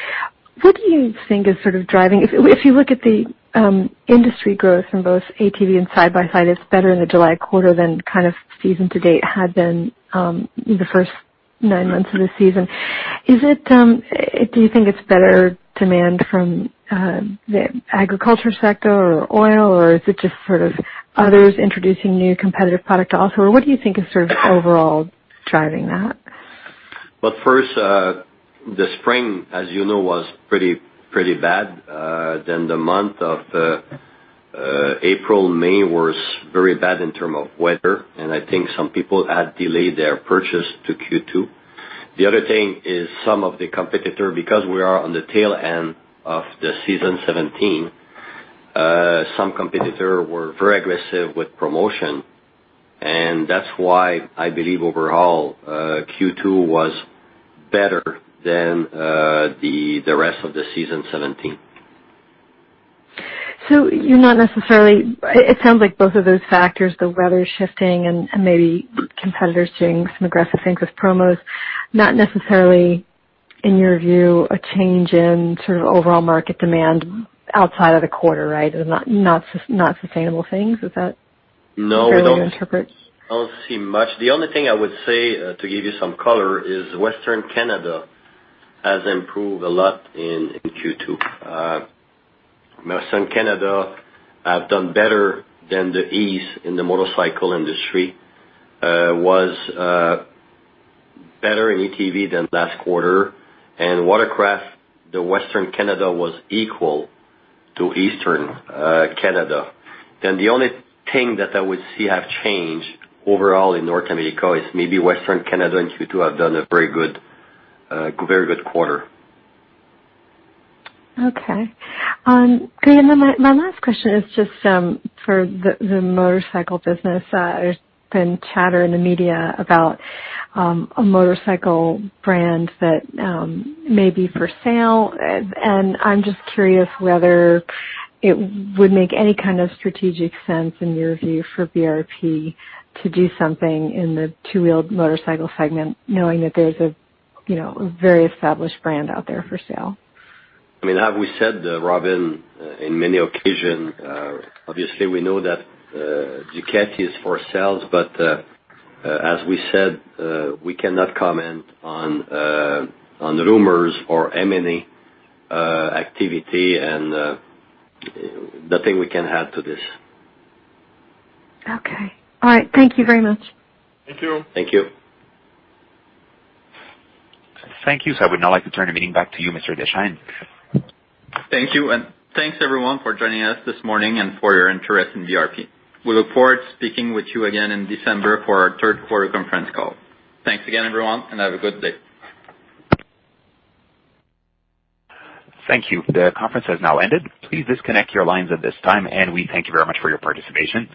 what do you think is sort of driving If you look at the industry growth from both ATV and side-by-side is better in the July quarter than kind of season to date had been the first nine months of the season. Do you think it's better demand from the agriculture sector or oil, or is it just sort of others introducing new competitive product also, or what do you think is sort of overall driving that? First, the spring, as you know, was pretty bad. The month of April, May was very bad in term of weather, I think some people had delayed their purchase to Q2. The other thing is some of the competitors, because we are on the tail end of the season 2017, some competitors were very aggressive with promotion, that's why I believe overall, Q2 was better than the rest of the season 2017. It sounds like both of those factors, the weather shifting and maybe competitors doing some aggressive things with promos, not necessarily, in your view, a change in sort of overall market demand outside of the quarter, right? Not sustainable things. Is that- No. Fair to interpret? I don't see much. The only thing I would say, to give you some color, is Western Canada has improved a lot in Q2. Western Canada have done better than the east in the motorcycle industry, was better in ATV than last quarter. Watercraft, the Western Canada was equal to Eastern Canada. The only thing that I would see have changed overall in North America is maybe Western Canada in Q2 have done a very good quarter. Okay. Great. My last question is just for the motorcycle business. There's been chatter in the media about a motorcycle brand that may be for sale, and I'm just curious whether it would make any kind of strategic sense, in your view, for BRP to do something in the two-wheeled motorcycle segment, knowing that there's a very established brand out there for sale. As we said, Robin, in many occasions, obviously, we know that Ducati is for sale. As we said, we cannot comment on the rumors or M&A activity, nothing we can add to this. Okay. All right. Thank you very much. Thank you. Thank you. Thank you. I would now like to turn the meeting back to you, Mr. Deschênes. Thank you. Thanks, everyone, for joining us this morning and for your interest in BRP. We look forward to speaking with you again in December for our third quarter conference call. Thanks again, everyone, and have a good day. Thank you. The conference has now ended. Please disconnect your lines at this time, and we thank you very much for your participation.